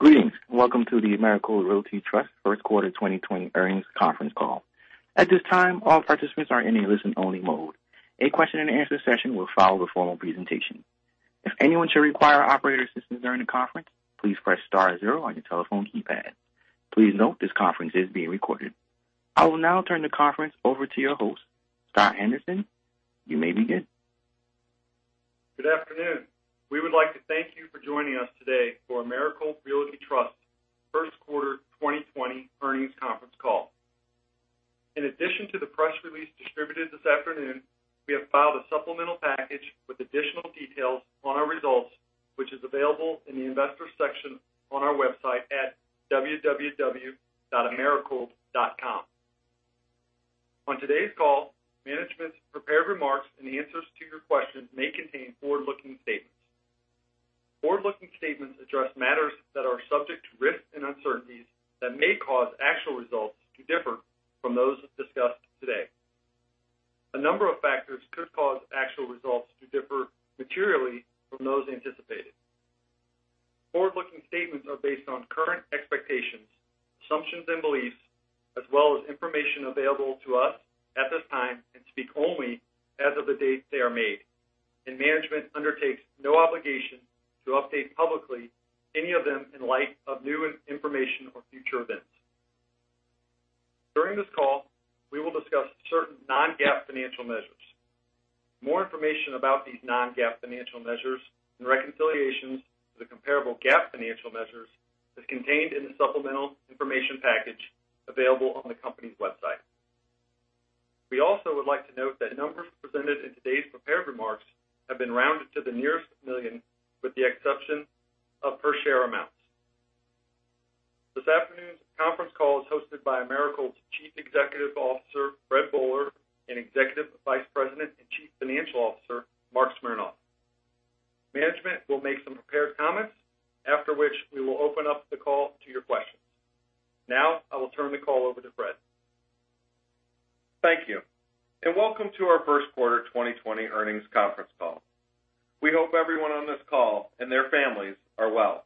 Greetings. Welcome to the Americold Realty Trust First Quarter 2020 Earnings Conference Call. At this time, all participants are in a listen-only mode. A question-and-answer session will follow the formal presentation. If anyone should require operator assistance during the conference, please press star zero on your telephone keypad. Please note this conference is being recorded. I will now turn the conference over to your host, Scott Anderson. You may begin. Good afternoon. We would like to thank you for joining us today for Americold Realty Trust's First Quarter 2020 Earnings Conference Call. In addition to the press release distributed this afternoon, we have filed a supplemental package with additional details on our results, which is available in the Investors section on our website at www.americold.com. On today's call, management's prepared remarks and answers to your questions may contain forward-looking statements. Forward-looking statements address matters that are subject to risks and uncertainties that may cause actual results to differ from those discussed today. A number of factors could cause actual results to differ materially from those anticipated. Forward-looking statements are based on current expectations, assumptions, and beliefs, as well as information available to us at this time, and speak only as of the date they are made. Management undertakes no obligation to update publicly any of them in light of new information or future events. During this call, we will discuss certain non-GAAP financial measures. More information about these non-GAAP financial measures and reconciliations to the comparable GAAP financial measures is contained in the supplemental information package available on the company's website. We also would like to note that numbers presented in today's prepared remarks have been rounded to the nearest million, with the exception of per share amounts. This afternoon's conference call is hosted by Americold's Chief Executive Officer, Fred Boehler, and Executive Vice President and Chief Financial Officer, Marc Smernoff. Management will make some prepared comments, after which we will open up the call to your questions. Now, I will turn the call over to Fred. Thank you. Welcome to our Q1 2020 earnings conference call. We hope everyone on this call and their families are well.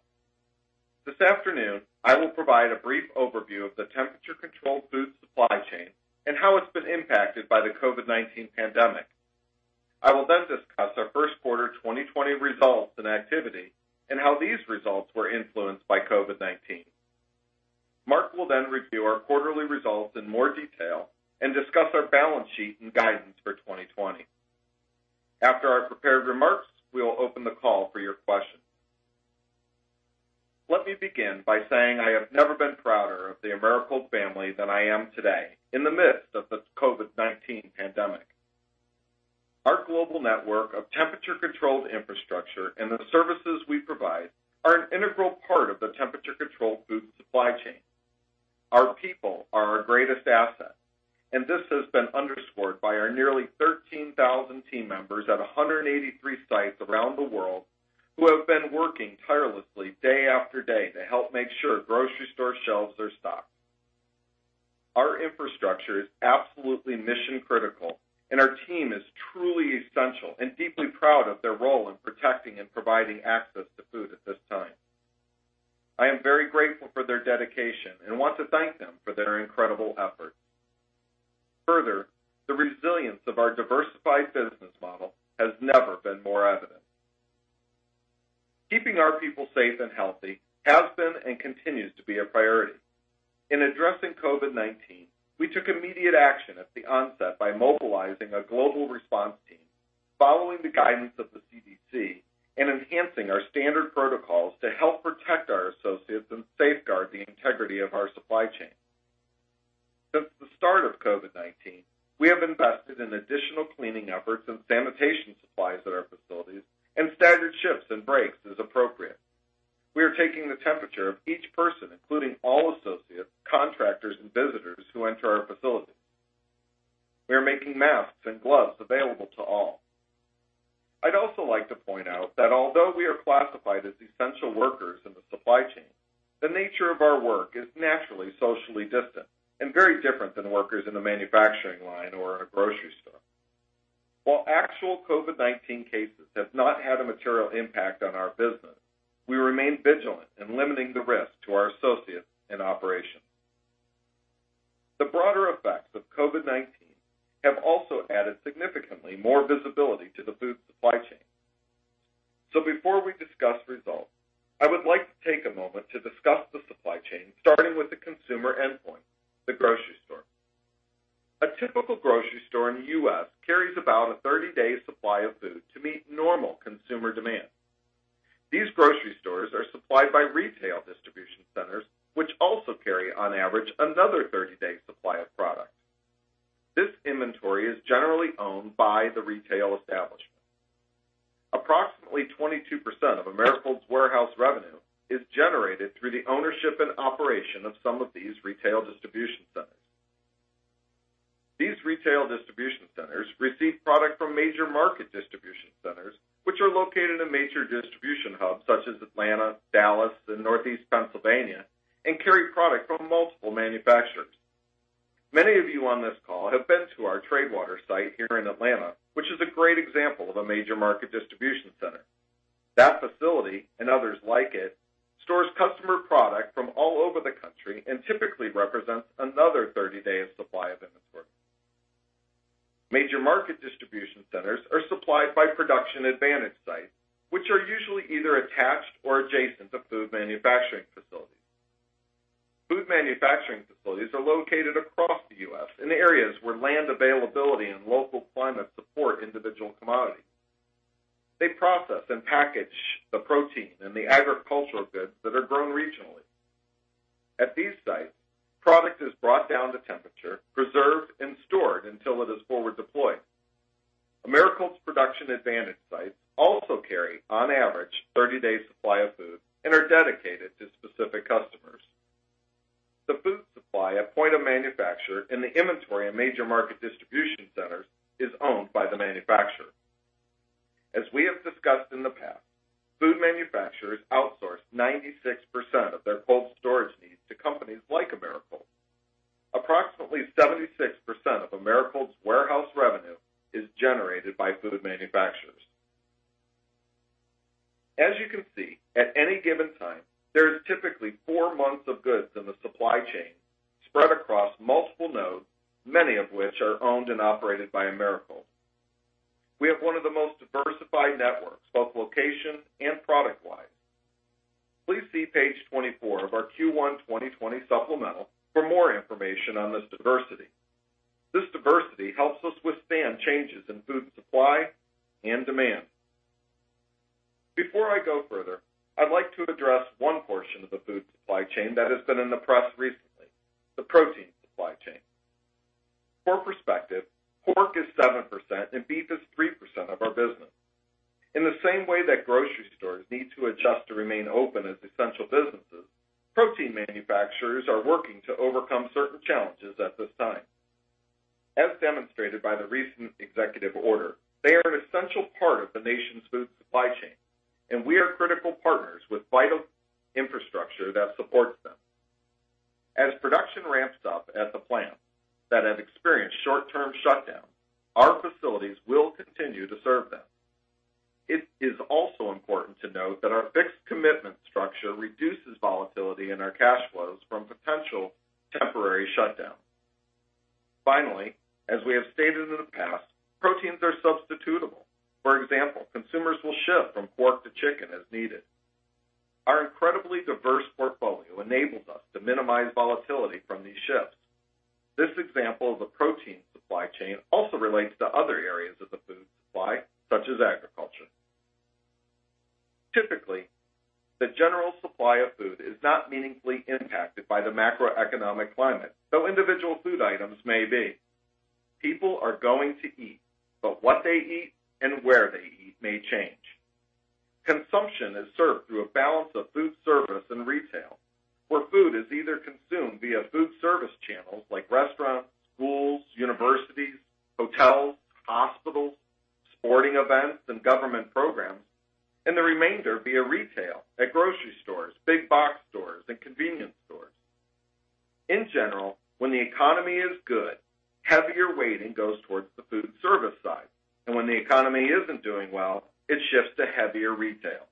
This afternoon, I will provide a brief overview of the temperature-controlled food supply chain and how it's been impacted by the COVID-19 pandemic. I will discuss our Q1 2020 results and activity and how these results were influenced by COVID-19. Marc will review our quarterly results in more detail and discuss our balance sheet and guidance for 2020. After our prepared remarks, we will open the call for your questions. Let me begin by saying I have never been prouder of the Americold family than I am today in the midst of this COVID-19 pandemic. Our global network of temperature-controlled infrastructure and the services we provide are an integral part of the temperature-controlled food supply chain. Our people are our greatest asset. This has been underscored by our nearly 13,000 team members at 183 sites around the world who have been working tirelessly day after day to help make sure grocery store shelves are stocked. Our infrastructure is absolutely mission-critical. Our team is truly essential and deeply proud of their role in protecting and providing access to food at this time. I am very grateful for their dedication and want to thank them for their incredible efforts. Further, the resilience of our diversified business model has never been more evident. Keeping our people safe and healthy has been and continues to be a priority. In addressing COVID-19, we took immediate action at the onset by mobilizing a global response team, following the guidance of the CDC, and enhancing our standard protocols to help protect our associates and safeguard the integrity of our supply chain. Since the start of COVID-19, we have invested in additional cleaning efforts and sanitation supplies at our facilities and staggered shifts and breaks as appropriate. We are taking the temperature of each person, including all associates, contractors, and visitors who enter our facilities. We are making masks and gloves available to all. I'd also like to point out that although we are classified as essential workers in the supply chain, the nature of our work is naturally socially distant and very different than workers in a manufacturing line or in a grocery store. While actual COVID-19 cases have not had a material impact on our business, we remain vigilant in limiting the risk to our associates and operations. The broader effects of COVID-19 have also added significantly more visibility to the food supply chain. Before we discuss results, I would like to take a moment to discuss the supply chain, starting with the consumer endpoint, the grocery store. A typical grocery store in the U.S. carries about a 30-day supply of food to meet normal consumer demand. These grocery stores are supplied by retail distribution centers, which also carry, on average, another 30-day supply of product. This inventory is generally owned by the retail establishment. Approximately 22% of Americold's warehouse revenue is generated through the ownership and operation of some of these retail distribution centers. These retail distribution centers receive product from major market distribution centers, which are located in major distribution hubs such as Atlanta, Dallas, and Northeast Pennsylvania, and carry product from multiple manufacturers. Many of you on this call have been to our Tradewater site here in Atlanta, which is a great example of a major market distribution center. That facility, and others like it, stores customer products from all over the country and typically represents another 30-day supply of inventory. Major market distribution centers are supplied by production-advantaged sites, which are usually either attached or adjacent to food manufacturing facilities. Food manufacturing facilities are located across the U.S. in areas where land availability and local climate support individual commodities. They process and package the protein and the agricultural goods that are grown regionally. At these sites, product is brought down to temperature, preserved, and stored until it is forward deployed. Americold's production-advantaged sites also carry, on average, a 30-day supply of food and are dedicated to specific customers. The food supply at the point of manufacture and the inventory and major market distribution centers are owned by the manufacturer. As we have discussed in the past, food manufacturers outsource 96% of their cold storage needs to companies like Americold. Approximately 76% of Americold's warehouse revenue is generated by food manufacturers. As you can see, at any given time, there are typically four months of goods in the supply chain spread across multiple nodes, many of which are owned and operated by Americold. We have one of the most diversified networks, both location and product-wise. Please see page 24 of our Q1 2020 supplemental for more information on this diversity. This diversity helps us withstand changes in food supply and demand. Before I go further, I'd like to address one portion of the food supply chain that has been in the press recently, the protein supply chain. For perspective, pork is 7% and beef is 3% of our business. In the same way that grocery stores need to adjust to remain open as essential businesses, protein manufacturers are working to overcome certain challenges at this time. As demonstrated by the recent executive order, they are an essential part of the nation's food supply chain, and we are critical partners with vital infrastructure that supports them. As production ramps up at the plants that have experienced short-term shutdowns, our facilities will continue to serve them. It is also important to note that our fixed commitment structure reduces volatility in our cash flows from potential temporary shutdowns. Finally, as we have stated in the past, proteins are substitutable. For example, consumers will shift from pork to chicken as needed. Our incredibly diverse portfolio enables us to minimize volatility from these shifts. This example of the protein supply chain also relates to other areas of the food supply, such as agriculture. Typically, the general supply of food is not meaningfully impacted by the macroeconomic climate, though individual food items may be. People are going to eat, but what they eat and where they eat may change. Consumption is served through a balance of food service and retail, where food is either consumed via food service channels like restaurants, schools, universities, hotels, hospitals, sporting events, and government programs or the remainder is consumed via retail at grocery stores, big box stores, and convenience stores. In general, when the economy is good, heavier weighting goes towards the food service side. When the economy isn't doing well, it shifts to heavier retail.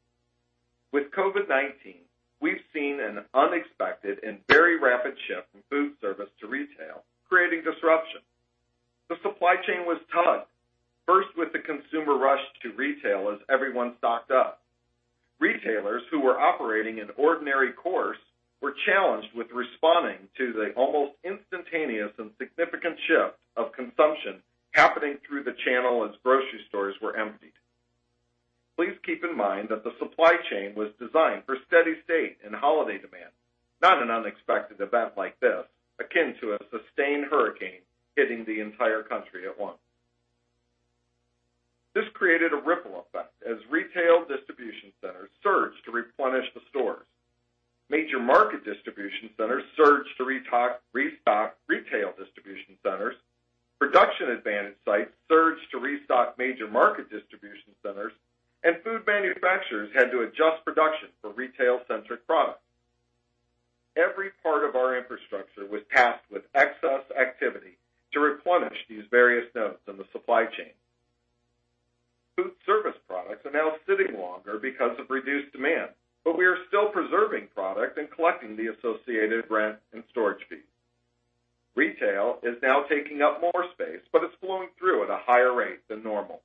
With COVID-19, we've seen an unexpected and very rapid shift from food service to retail, creating disruption. The supply chain was tugged, first with the consumer rush to retail as everyone stocked up on essentials. Retailers who were operating in ordinary course were challenged with responding to the almost instantaneous and significant shift of consumption happening through the channel as grocery stores were emptied. Please keep in mind that the supply chain was designed for steady-state and holiday demand, not an unexpected event like this, akin to a sustained hurricane hitting the entire country at once. This created a ripple effect as retail distribution centers surged to replenish the stores. Major market distribution centers surged to restock retail distribution centers. Production-advantaged sites surged to restock major market distribution centers, and food manufacturers had to adjust production for retail-centric products. Every part of our infrastructure was tasked with excess activity to replenish these various nodes in the supply chain. Food service products are now sitting longer because of reduced demand, but we are still preserving product and collecting the associated rent and storage fees. Retail is now taking up more space, but it's flowing through at a higher rate than normal.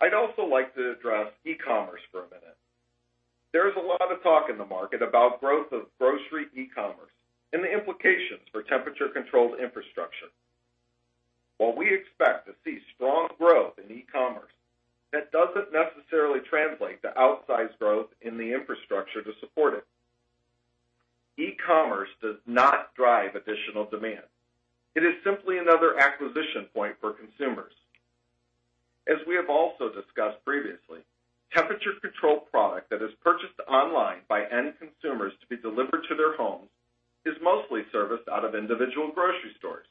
I'd also like to address e-commerce for a minute. There is a lot of talk in the market about the growth of grocery e-commerce and the implications for temperature-controlled infrastructure. While we expect to see strong growth in e-commerce, that doesn't necessarily translate to outsized growth in the infrastructure to support it. E-commerce does not drive additional demand. It is simply another acquisition point for consumers. As we have also discussed previously, temperature-controlled products that are purchased online by end consumers to be delivered to their homes are mostly serviced out of individual grocery stores.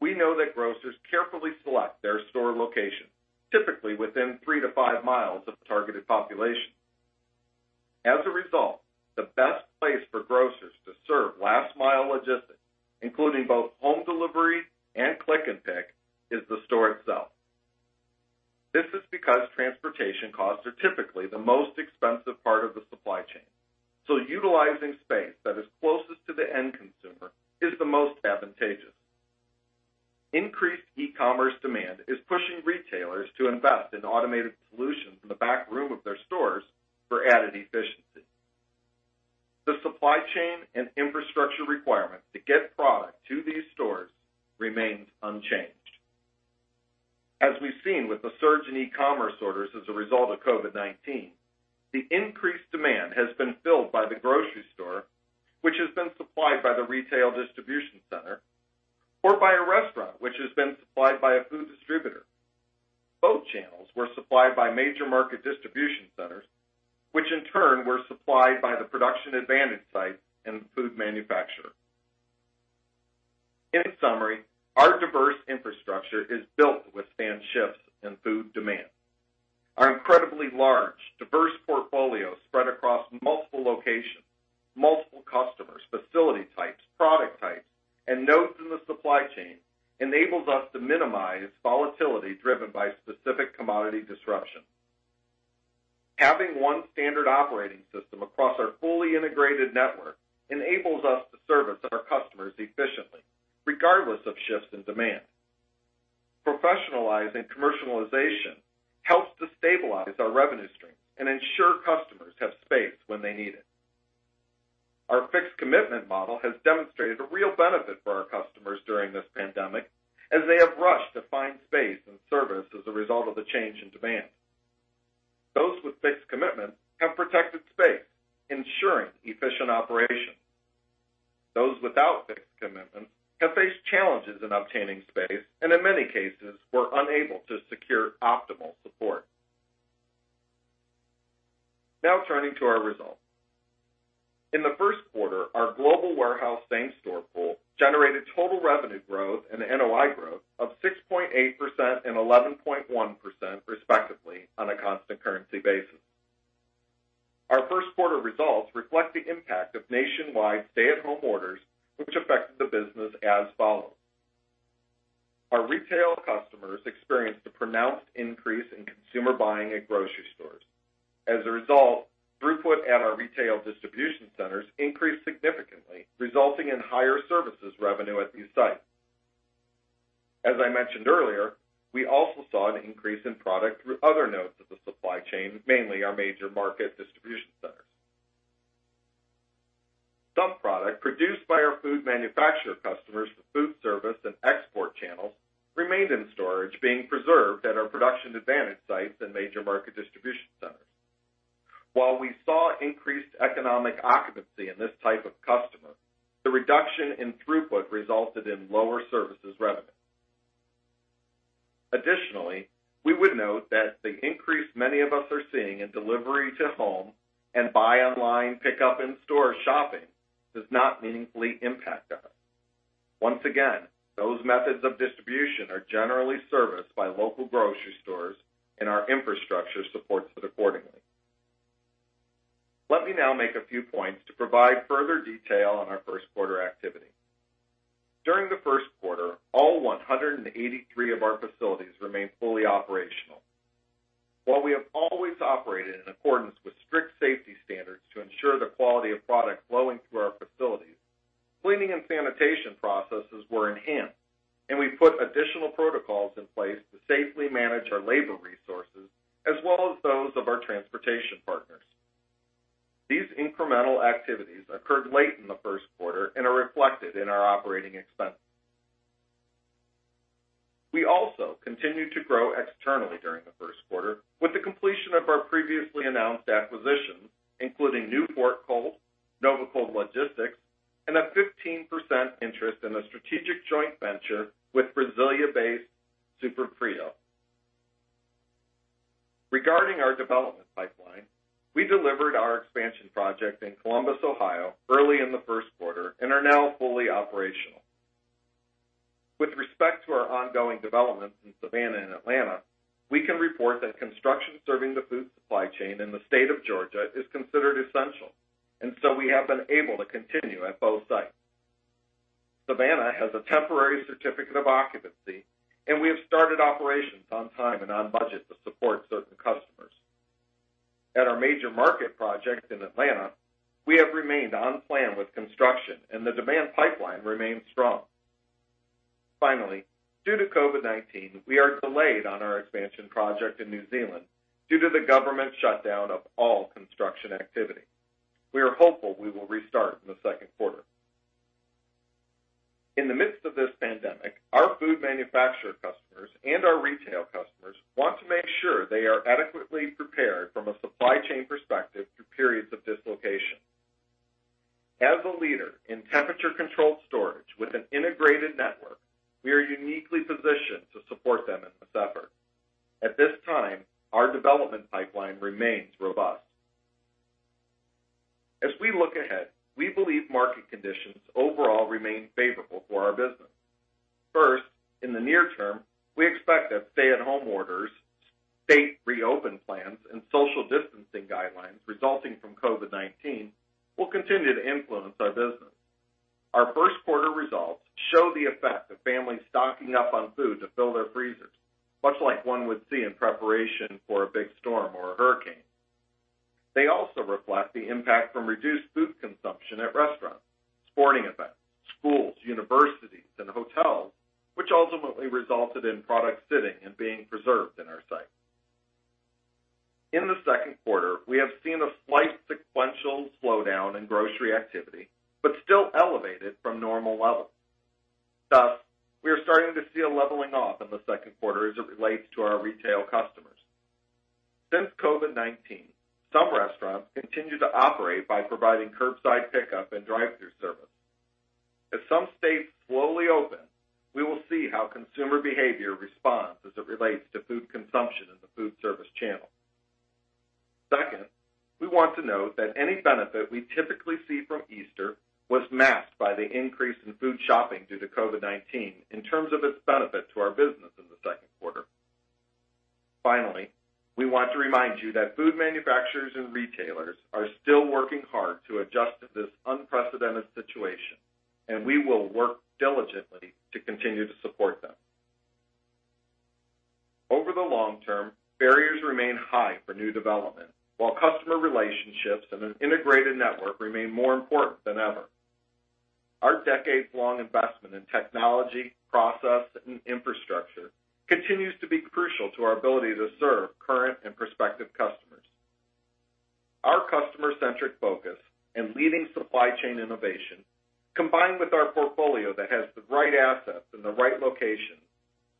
We know that grocers carefully select their store location, typically within three to five miles of the targeted population. As a result, the best place for grocers to serve last-mile logistics, including both home delivery and click and pick, is the store itself. This is because transportation costs are typically the most expensive part of the supply chain, so utilizing space that is closest to the end consumer is the most advantageous. Increased e-commerce demand is pushing retailers to invest in automated solutions in the backroom of their stores for added efficiency. The supply chain and infrastructure requirements to get product to these stores remain unchanged. As we've seen with the surge in e-commerce orders as a result of COVID-19, the increased demand has been filled by the grocery store, which has been supplied by the retail distribution center, or by a restaurant, which has been supplied by a food distributor. Both channels were supplied by major market distribution centers, which in turn were supplied by the production-advantaged sites and the food manufacturer. In summary, our diverse infrastructure is built to withstand shifts in food demand. Our incredibly large, diverse portfolio spread across multiple locations, multiple customers, facility types, product types, and nodes in the supply chain enables us to minimize volatility driven by specific commodity disruption. Having one standard operating System across our fully integrated network enables us to service our customers efficiently, regardless of shifts in demand. Professionalizing commercialization helps to stabilize our revenue streams and ensure customers have space when they need it. Our Fixed Commitment Model has demonstrated a real benefit for our customers during this pandemic, as they have rushed to find space and service as a result of the change in demand. Those with Fixed Commitments have protected space, ensuring efficient operation. Those without fixed commitments have faced challenges in obtaining space and, in many cases, were unable to secure optimal support. Now turning to our results. In the first quarter, our Global Warehouse same-store pool generated total revenue growth and NOI growth of 6.8% and 11.1%, respectively, on a constant currency basis. Our first quarter results reflect the impact of nationwide stay-at-home orders, which affected the business as follows. Our retail customers experienced a pronounced increase in consumer buying at grocery stores. As a result, throughput at our retail distribution centers increased significantly, resulting in higher services revenue at these sites. As I mentioned earlier, we also saw an increase in product through other nodes of the supply chain, mainly our major market distribution centers. Some products produced by our food manufacturer customers for food service and export channels remained in storage, being preserved at our production-advantaged sites and major market distribution centers. While we saw increased economic occupancy in this type of customer, the reduction in throughput resulted in lower services revenue. Additionally, we would note that the increase many of us are seeing in delivery to home and buy online, pickup in-store shopping does not meaningfully impact us. Once again, those methods of distribution are generally serviced by local grocery stores, and our infrastructure supports it accordingly. Let me now make a few points to provide further detail on our first quarter activity. During the first quarter, all 183 of our facilities remained fully operational. While we have always operated in accordance with strict safety standards to ensure the quality of product flowing through our facilities, cleaning and sanitation processes were enhanced, and we put additional protocols in place to safely manage our labor resources as well as those of our transportation partners. These incremental activities occurred late in the first quarter and are reflected in our operating expenses. We also continued to grow externally during the first quarter with the completion of our previously announced acquisitions, including Newport Cold, NovaCold Logistics, and a 15% interest in a strategic joint venture with Brazil-based SuperFrio. Regarding our development pipeline, we delivered our expansion project in Columbus, Ohio, early in the first quarter and are now fully operational. With respect to our ongoing developments in Savannah and Atlanta, we can report that construction serving the food supply chain in the state of Georgia is considered essential, and so we have been able to continue at both sites. Savannah has a temporary certificate of occupancy, and we have started operations on time and on budget to support certain customers. At our major market project in Atlanta, we have remained on plan with construction, and the demand pipeline remains strong. Finally, due to COVID-19, we are delayed on our expansion project in New Zealand due to the government shutdown of all construction activity. We are hopeful we will restart in the second quarter. In the midst of this pandemic, our food manufacturer customers and our retail customers want to make sure they are adequately prepared from a supply chain perspective through periods of dislocation. As a leader in temperature-controlled storage with an integrated network, we are uniquely positioned to support them in this effort. At this time, our development pipeline remains robust. As we look ahead, we believe market conditions overall remain favorable for our business. First, in the near term, we expect that stay-at-home orders, state reopen plans, and social distancing guidelines resulting from COVID-19 will continue to influence our business. Our first quarter results show the effect of families stocking up on food to fill their freezers, much like one would see in preparation for a big storm or a hurricane. They also reflect the impact from reduced food consumption at restaurants, sporting events, schools, universities, and hotels, which ultimately resulted in products sitting and being preserved in our sites. In the second quarter, we have seen a slight sequential slowdown in grocery activity but still elevated from normal levels. Thus, we are starting to see a leveling off in the second quarter as it relates to our retail customers. Since COVID-19, some restaurants continue to operate by providing curbside pickup and drive-thru service. As some states slowly open, we will see how consumer behavior responds as it relates to food consumption in the food service channel. Second, we want to note that any benefit we typically see from Easter was masked by the increase in food shopping due to COVID-19 in terms of its benefit to our business in the second quarter. Finally, we want to remind you that food manufacturers and retailers are still working hard to adjust to this unprecedented situation, and we will work diligently to continue to support them. Over the long term, barriers remain high for new development, while customer relationships and an integrated network remain more important than ever. Our decades-long investment in technology, process, and infrastructure continues to be crucial to our ability to serve current and prospective customers. Our customer-centric focus and leading supply chain innovation, combined with our portfolio that has the right assets in the right locations,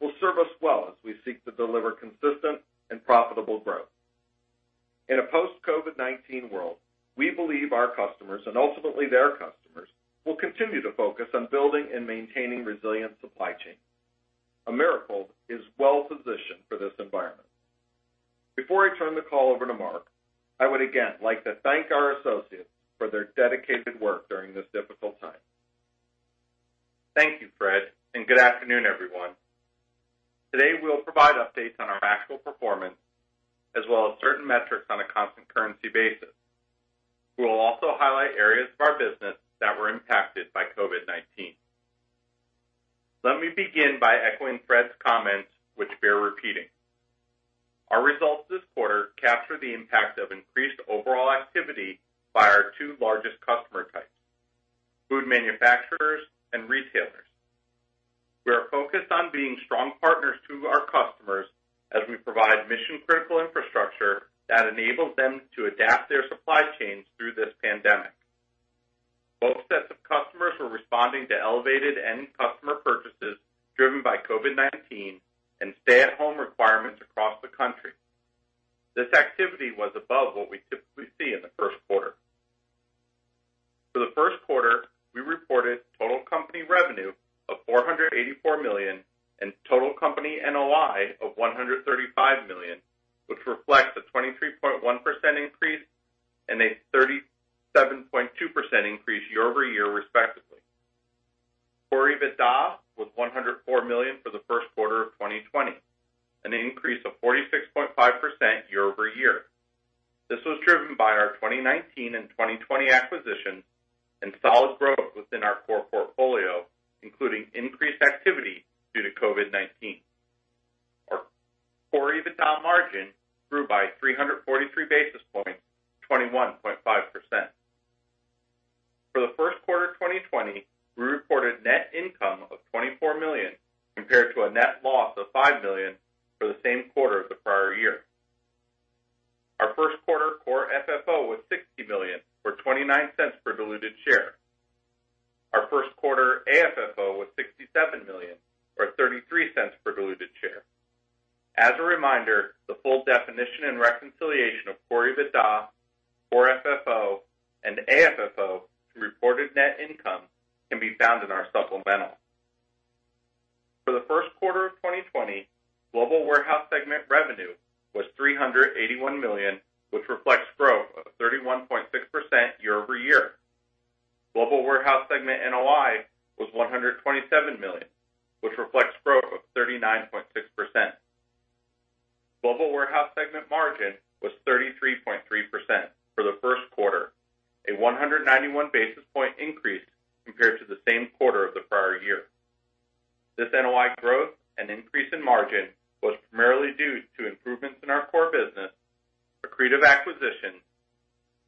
will serve us well as we seek to deliver consistent and profitable growth. In a post-COVID-19 world, we believe our customers, and ultimately their customers, will continue to focus on building and maintaining resilient supply chains. Americold is well-positioned for this environment. Before I turn the call over to Marc, I would again like to thank our associates for their dedicated work during this difficult time. Thank you, Fred, and good afternoon, everyone. Today, we'll provide updates on our actual performance, as well as certain metrics on a constant currency basis. We will also highlight areas of our business that were impacted by COVID-19. Let me begin by echoing Fred's comments, which bear repeating. Our results this quarter capture the impact of increased overall activity by our two largest customer types, food manufacturers and retailers. We are focused on being strong partners to our customers as we provide mission-critical infrastructure that enables them to adapt their supply chains through this pandemic. Both sets of customers were responding to elevated end customer purchases driven by COVID-19 and stay-at-home requirements across the country. This activity was above what we typically see in the first quarter. For the first quarter, we reported total company revenue of $484 million and total company NOI of $135 million, which reflects a 23.1% increase and a 37.2% increase year-over-year, respectively. Core EBITDA was $104 million for the first quarter of 2020, an increase of 46.5% year-over-year. This was driven by our 2019 and 2020 acquisitions and solid growth within our Core portfolio, including increased activity due to COVID-19. Our Core EBITDA margin grew by 343 basis points to 21.5%. For the first quarter of 2020, we reported net income of $24 million compared to a net loss of $5 million for the same quarter of the prior year. Our first-quarter Core FFO was $60 million, or $0.29 per diluted share. Our first quarter AFFO was $67 million, or $0.33 per diluted share. As a reminder, the full definition and reconciliation of Core EBITDA, Core FFO, and AFFO to reported net income can be found in our supplemental. For the first quarter of 2020, Global Warehouse segment revenue was $381 million, which reflects growth of 31.6% year-over-year. The Global Warehouse segment NOI was $127 million, which reflects growth of 39.6%. The Global Warehouse segment margin was 33.3% for the first quarter, a 191 basis point increase compared to the same quarter of the prior year. This NOI growth and increase in margin was primarily due to improvements in our Core business, accretive acquisitions,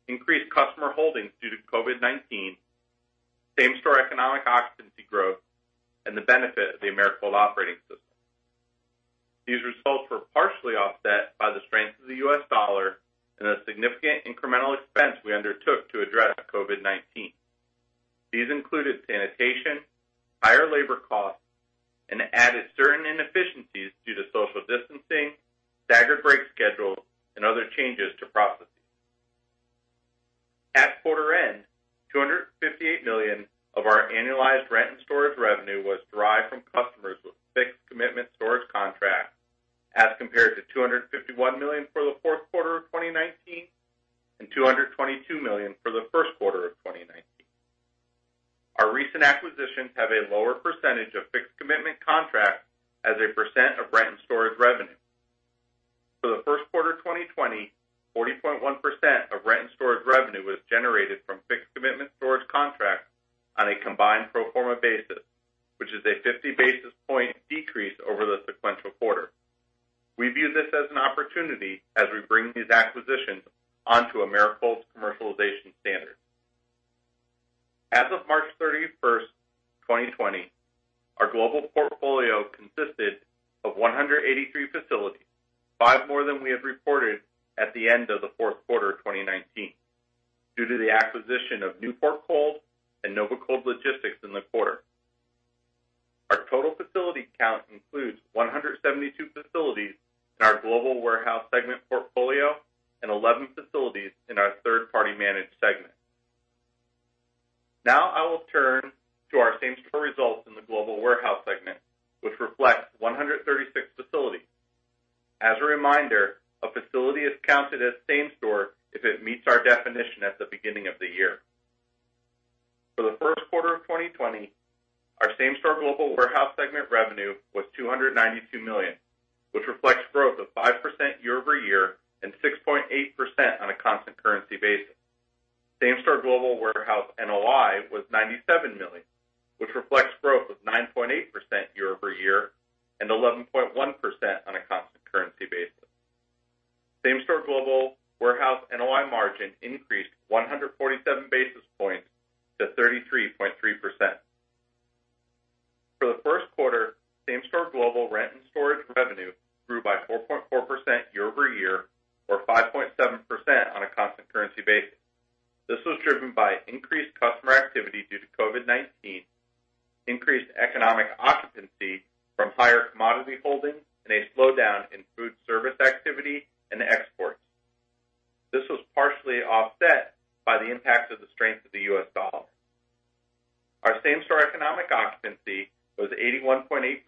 increased customer holdings due to COVID-19, same-store economic occupancy growth, and the benefit of the Americold Operating System. These results were partially offset by the strength of the U.S. dollar and the significant incremental expense we undertook to address COVID-19. These included sanitation and higher labor costs and added certain inefficiencies due to social distancing, staggered break schedules, and other changes to processes. At quarter-end, $258 million of our annualized rent and storage revenue was derived from customers with fixed commitment storage contracts. Compared to $251 million for the fourth quarter of 2019 and $222 million for the first quarter of 2019. Our recent acquisitions have a lower percentage of fixed-commitment contracts as a percent of rent and storage revenue. For the first quarter of 2020, 40.1% of rent and storage revenue was generated from fixed commitment storage contracts on a combined pro forma basis, which is a 50 basis point decrease over the sequential quarter. We view this as an opportunity as we bring these acquisitions onto Americold's commercialization standard. As of March 31st, 2020, our global portfolio consisted of 183 facilities, five more than we had reported at the end of the fourth quarter of 2019, due to the acquisition of Newport Cold and NovaCold Logistics in the quarter. Our total facility count includes 172 facilities in our Global Warehouse segment portfolio and 11 facilities in our third-party managed segment. Now, I will turn to our same-store results in the Global Warehouse segment, which reflects 136 facilities. As a reminder, a facility is counted as same-store if it meets our definition at the beginning of the year. For the first quarter of 2020, our same-store Global Warehouse segment revenue was $292 million, which reflects growth of 5% year-over-year and 6.8% on a constant currency basis. Same-store Global Warehouse NOI was $97 million, which reflects growth of 9.8% year-over-year and 11.1% on a constant currency basis. Same-store Global Warehouse NOI margin increased 147 basis points to 33.3%. For the first quarter, same-store global rent and storage revenue grew by 4.4% year-over-year or 5.7% on a constant currency basis. This was driven by increased customer activity due to COVID-19, increased economic occupancy from higher commodity holdings, and a slowdown in food service activity and exports. This was partially offset by the impact of the strength of the U.S. dollar. Our same-store economic occupancy was 81.8%,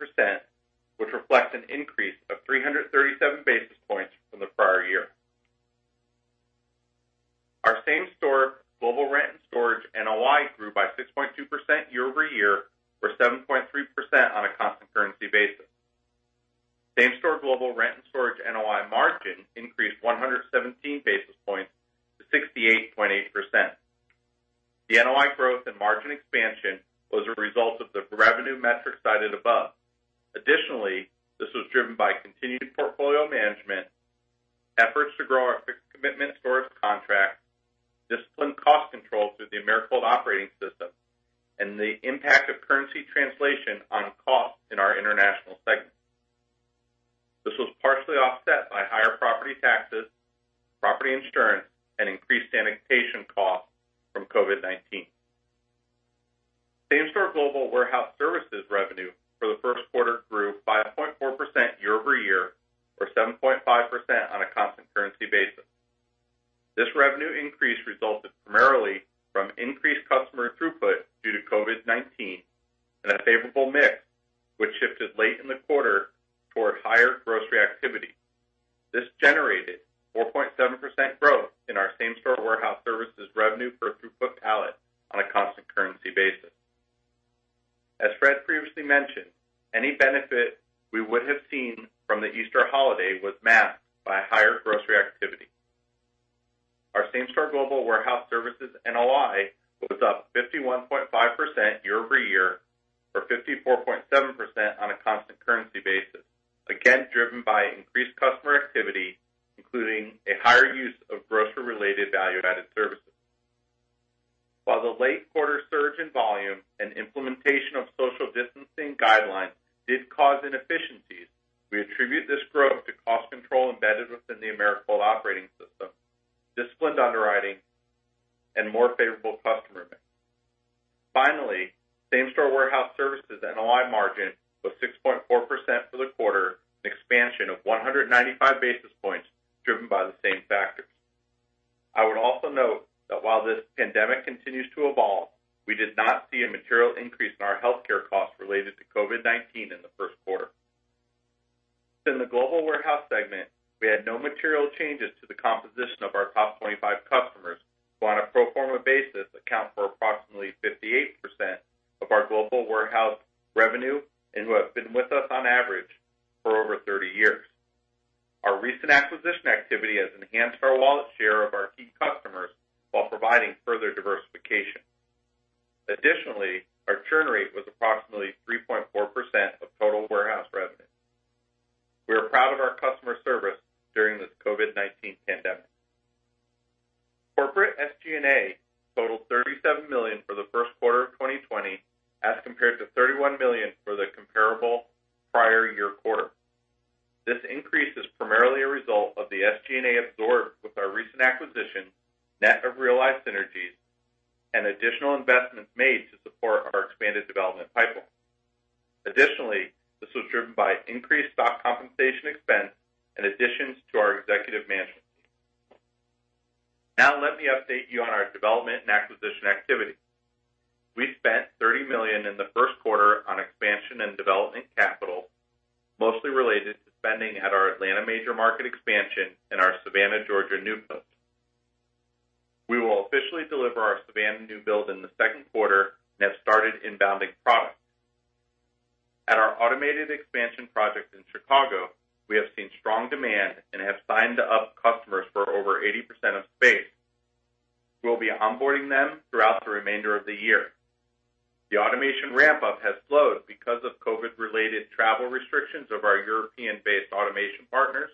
continues to evolve, we did not see a material increase in our healthcare costs related to COVID-19 in the first quarter. Within the Global Warehouse segment, we had no material changes to the composition of our top 25 customers, who on a pro forma basis account for approximately 58% of our Global Warehouse revenue and who have been with us on average for over 30 years. Our recent acquisition activity has enhanced our wallet share of our key customers while providing further diversification. Additionally, our churn rate was approximately 3.4% of total warehouse revenue. We are proud of our customer service during this COVID-19 pandemic. Corporate SG&A totaled $37 million for the first quarter of 2020 as compared to $31 million for the comparable prior year quarter. This increase is primarily a result of the SG&A absorbed with our recent acquisition, net of realized synergies, and additional investments made to support our expanded development pipeline. Additionally, this was driven by increased stock compensation expense and additions to our executive management team. Now let me update you on our development and acquisition activity. We spent $30 million in the first quarter on expansion and development capital, mostly related to spending at our Atlanta major market expansion and our Savannah, Georgia, new build. We will officially deliver our new Savannah build in the second quarter and have started inbounding product. At our automated expansion project in Chicago, we have seen strong demand and have signed up customers for over 80% of space. We'll be onboarding them throughout the remainder of the year. The automation ramp-up has slowed because of COVID-related travel restrictions of our European-based automation partners.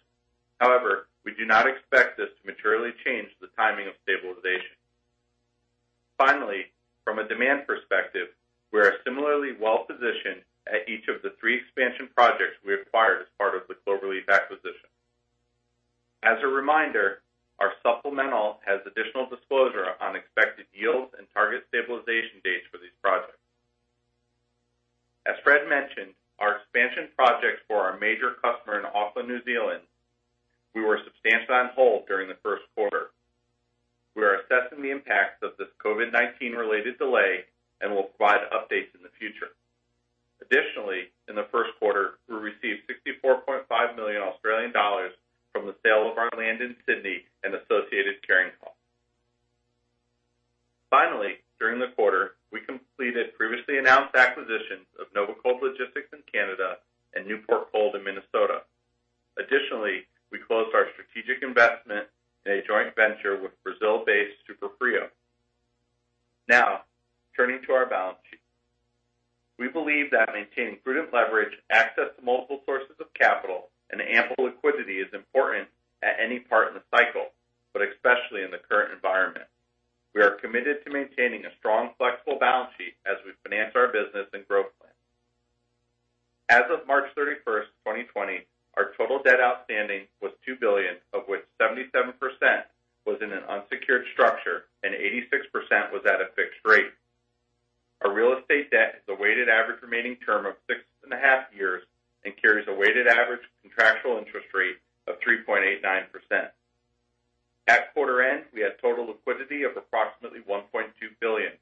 However, we do not expect this to materially change the timing of stabilization. From a demand perspective, we are similarly well-positioned at each of the three expansion projects we acquired as part of the Cloverleaf acquisition. As a reminder, our supplement has additional disclosure on expected yields and target stabilization dates for these projects. As Fred mentioned, our expansion projects for our major customer in Auckland, New Zealand, were substantially on hold during the first quarter. We are assessing the impacts of this COVID-19 related delay and will provide updates in the future. Additionally, in the first quarter, we received 64.5 million Australian dollars from the sale of our land in Sydney and associated carrying costs. During the quarter, we completed previously announced acquisitions of NovaCold Logistics in Canada and Newport Cold in Minnesota. Additionally, we closed our strategic investment in a joint venture with Brazil-based SuperFrio. Turning to our balance sheet. We believe that maintaining prudent leverage, access to multiple sources of capital, and ample liquidity are important at any part of the cycle, but especially in the current environment. We are committed to maintaining a strong, flexible balance sheet as we finance our business and growth plans. As of March 31st, 2020, our total debt outstanding was $2 billion, of which 77% was in an unsecured structure and 86% was at a fixed rate. Our real estate debt has a weighted average remaining term of six and a half years and carries a weighted average contractual interest rate of 3.89%. At quarter-end, we had total liquidity of approximately $1.2 billion,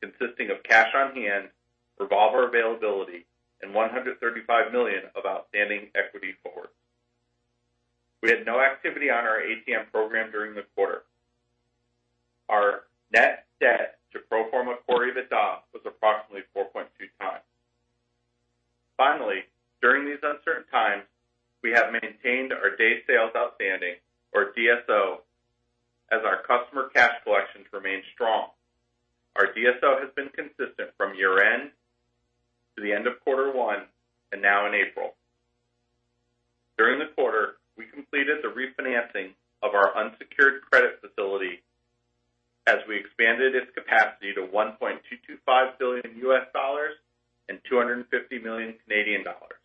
consisting of cash on hand, revolver availability, and $135 million of outstanding equity forward. We had no activity on our ATM program during the quarter. Our net debt to pro forma Core EBITDA was approximately 4.2x. During these uncertain times, we have maintained our Days Sales Outstanding, or DSO, as our customer cash collections remain strong. Our DSO has been consistent from year-end to the end of quarter one and now in April. During the quarter, we completed the refinancing of our unsecured credit facility as we expanded its capacity to $1.225 billion and 250 million Canadian dollars.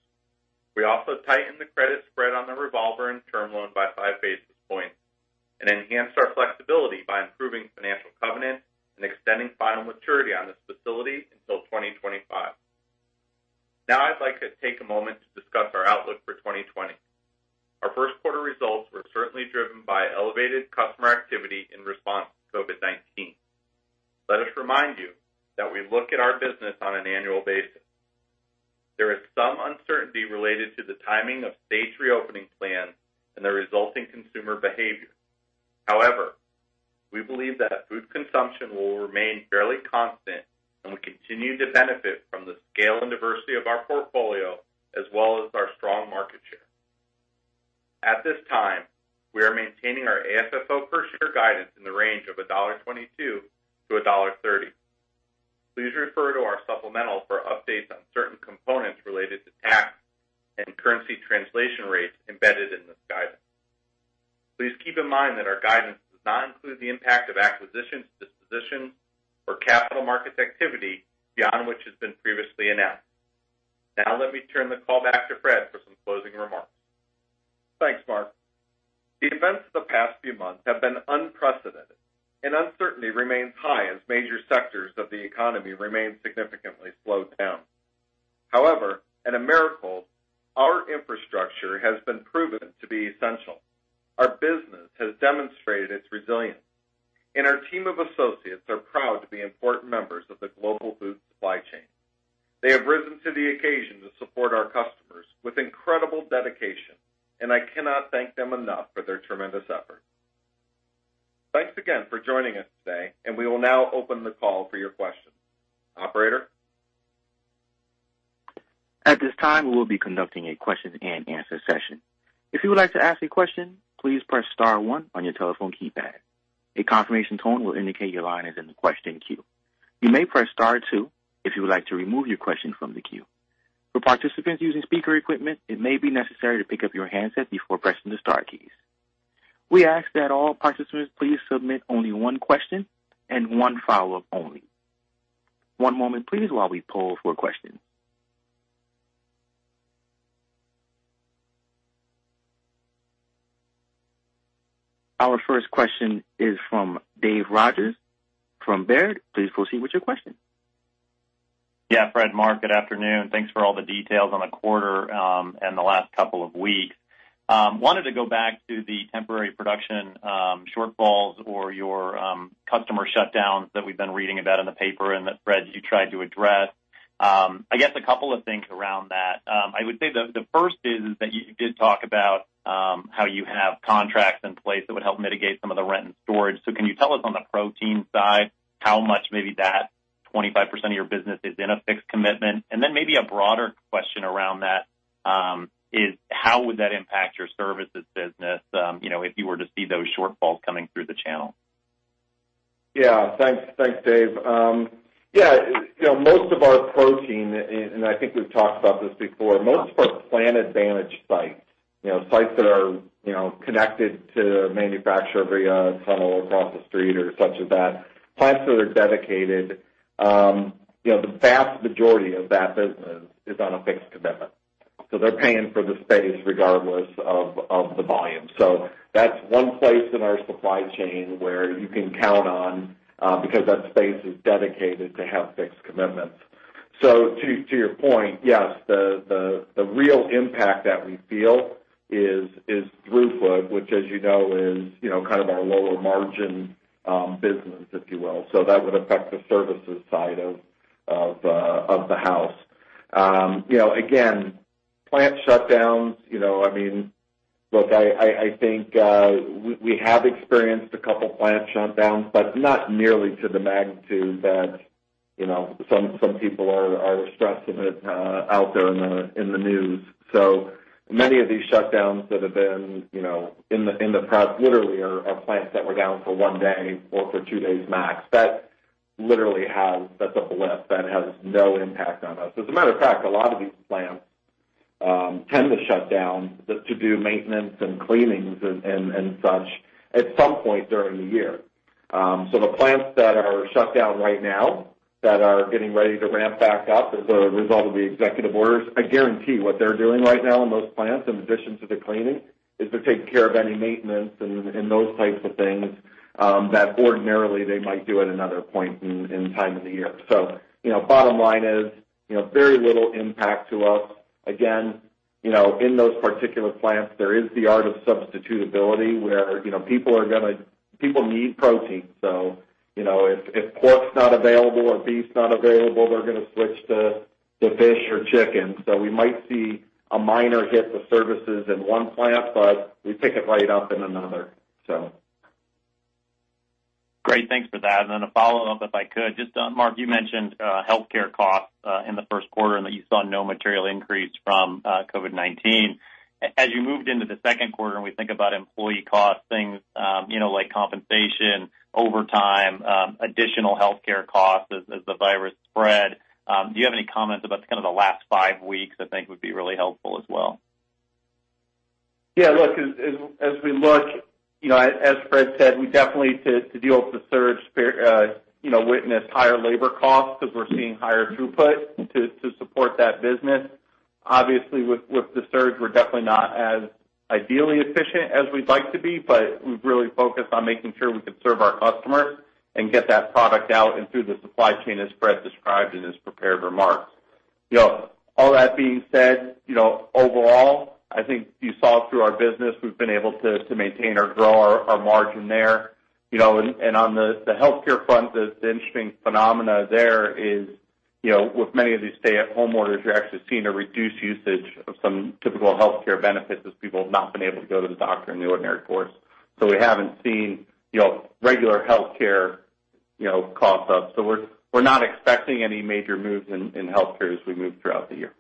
We also tightened the credit spread on the revolver and term loan by five basis points and enhanced our flexibility by improving financial covenants and extending final maturity on this facility until 2025. I'd like to take a moment to discuss our outlook for 2020. Our first quarter results were certainly driven by elevated customer activity in response to COVID-19. Let us remind you that we look at our business on an annual basis. There is some uncertainty related to the timing of state reopening plans and the resulting consumer behavior. However, we believe that food consumption will remain fairly constant, and we continue to benefit from the scale and diversity of our portfolio as well as our strong market share. At this time, we are maintaining our AFFO per share guidance in the range of $1.22-$1.30. Please refer to our supplement for updates on certain components related to tax and currency translation rates embedded in this guidance. Please keep in mind that our guidance does not include the impact of acquisitions, dispositions, or capital markets activity beyond what has been previously announced. Now let me turn the call back to Fred for some closing remarks. Thanks, Marc. The events of the past few months have been unprecedented, and uncertainty remains high as major sectors of the economy remain significantly slowed down. However, at Americold, our infrastructure has been proven to be essential. Our business has demonstrated its resilience, and our team of associates are proud to be important members of the global food supply chain. They have risen to the occasion to support our customers with incredible dedication, and I cannot thank them enough for their tremendous effort. Thanks again for joining us today, and we will now open the call for your questions. Operator? At this time, we will be conducting a question-and-answer session. If you would like to ask a question, please press star one on your telephone keypad. A confirmation tone will indicate your line is in the question queue. You may press star two if you would like to remove your question from the queue. For participants using speaker equipment, it may be necessary to pick up your handset before pressing the star keys. We ask that all participants please submit only one question and one follow-up only. One moment, please, while we poll for questions. Our first question is from Dave Rodgers from Baird. Please proceed with your question. Yeah, Fred and Marc, good afternoon. Thanks for all the details on the quarter and the last couple of weeks. I wanted to go back to the temporary production shortfalls or your customer shutdowns that we've been reading about in the paper and that, Fred, you tried to address. I guess a couple of things around that. I would say the first is that you did talk about how you have contracts in place that would help mitigate some of the rent and storage. Can you tell us on the protein side how much maybe that 25% of your business is in a fixed commitment? Maybe a broader question around that is how would that impact your services business if you were to see those shortfalls coming through the channel? Thanks, Dave. Most of our protein, and I think we've talked about this before, most of our plant advantage sites that are connected to a manufacturer via a tunnel across the street or such are plants that are dedicated. The vast majority of that business is on a fixed commitment. They're paying for the space regardless of the volume. That's one place in our supply chain where you can count on, because that space is dedicated to having fixed commitments. To your point, yes, the real impact that we feel is throughput, which, as you know, is kind of our lower-margin business, if you will. That would affect the services side of the house. Again, plant shutdowns—look, I think we have experienced a couple plant shutdowns, but not nearly to the magnitude that some people are stressing it out there in the news. Many of these shutdowns that have been in the press literally are plants that were down for one day or for two days max. That's a blip. That has no impact on us. As a matter of fact, a lot of these plants tend to shut down to do maintenance and cleanings and such at some point during the year. The plants that are shut down right now, that are getting ready to ramp back up as a result of the executive orders, I guarantee what they're doing right now in those plants, in addition to the cleaning, is they're taking care of any maintenance and those types of things that ordinarily they might do at another point in time in the year. Bottom line is very little impact on us. Again, in those particular plants, there is the art of substitutability where people need protein. If pork's not available or beef's not available, they're going to switch to fish or chicken. We might see a minor hit to services in one plant, but we pick it right up in another. Great. Thanks for that. Then a follow-up, if I could. Just Marc, you mentioned healthcare costs in the first quarter and that you saw no material increase from COVID-19. As you moved into the second quarter and we think about employee costs, things like compensation, overtime, and additional healthcare costs as the virus spread, do you have any comments about kind of the last five weeks? I think that would be really helpful as well. Yeah, look, as we look, as Fred said, we definitely, to deal with the surge, witnessed higher labor costs because we're seeing higher throughput to support that business. Obviously, with the surge, we're definitely not as ideally efficient as we'd like to be, but we've really focused on making sure we could serve our customers and get that product out and through the supply chain, as Fred described in his prepared remarks. All that being said, overall, I think you saw through our business, we've been able to maintain or grow our margin there. On the healthcare front, the interesting phenomenon there is that with many of these stay-at-home orders, you're actually seeing a reduced usage of some typical healthcare benefits as people have not been able to go to the doctor in the ordinary course. We haven't seen regular healthcare costs rise. We're not expecting any major moves in healthcare as we move throughout the year.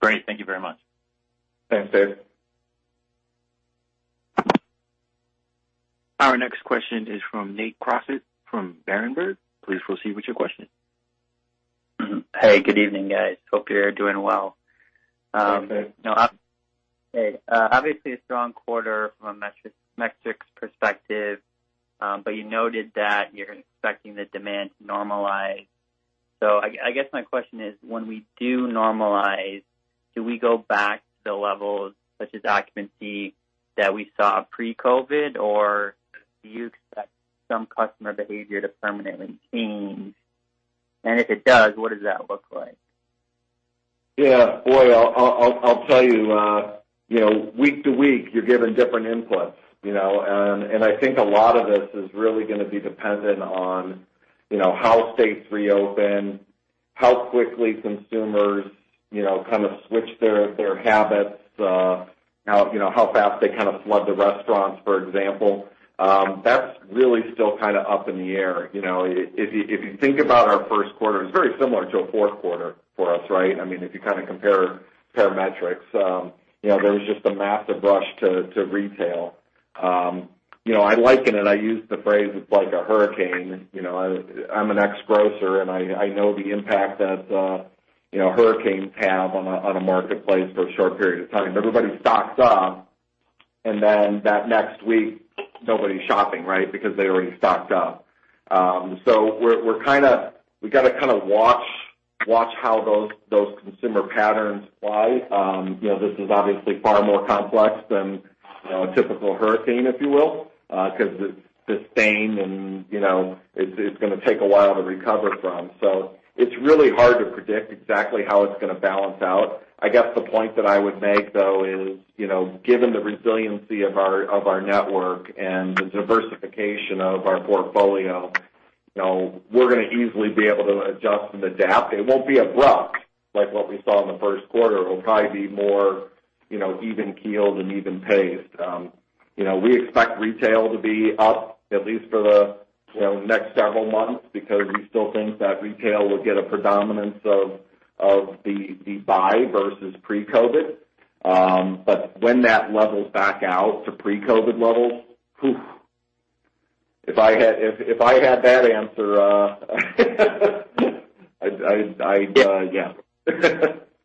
Great. Thank you very much. Thanks, Dave. Our next question is from Nate Crossett from Berenberg. Please proceed with your question. Hey, good evening, guys. Hope you're doing well. Hey, Nate. Hey. Obviously a strong quarter from a metrics perspective. You noted that you're expecting the demand to normalize. I guess my question is, when we do normalize, do we go back to levels such as occupancy that we saw pre-COVID, or do you expect some customer behavior to permanently change? If it does, what does that look like? Yeah. Boy, I'll tell you, week to week, you're given different inputs. I think a lot of this is really going to be dependent on how states reopen, how quickly consumers kind of switch their habits, and how fast they kind of flood the restaurants, for example. That's really still kind of up in the air. If you think about our first quarter, it's very similar to a fourth quarter for us, right? I mean, if you kind of compare metrics. There was just a massive rush to retail. I liken it, I use the phrase, it's like a hurricane. I'm an ex-grocer, and I know the impact that hurricanes have on a marketplace for a short period of time. Everybody stocks up, and then that next week, nobody's shopping, right? They already stocked up. We've got to kind of watch how those consumer patterns fly. This is obviously far more complex than a typical hurricane, if you will, because it's sustained and it's going to take a while to recover from. It's really hard to predict exactly how it's going to balance out. I guess the point that I would make, though, is given the resiliency of our network and the diversification of our portfolio, we're going to easily be able to adjust and adapt. It won't be abrupt like what we saw in the first quarter. It'll probably be more even-keeled and even-paced. We expect retail to be up at least for the next several months because we still think that retail will get a predominance of the buy versus pre-COVID. When that levels back out to pre-COVID levels, whew. If I had that answer.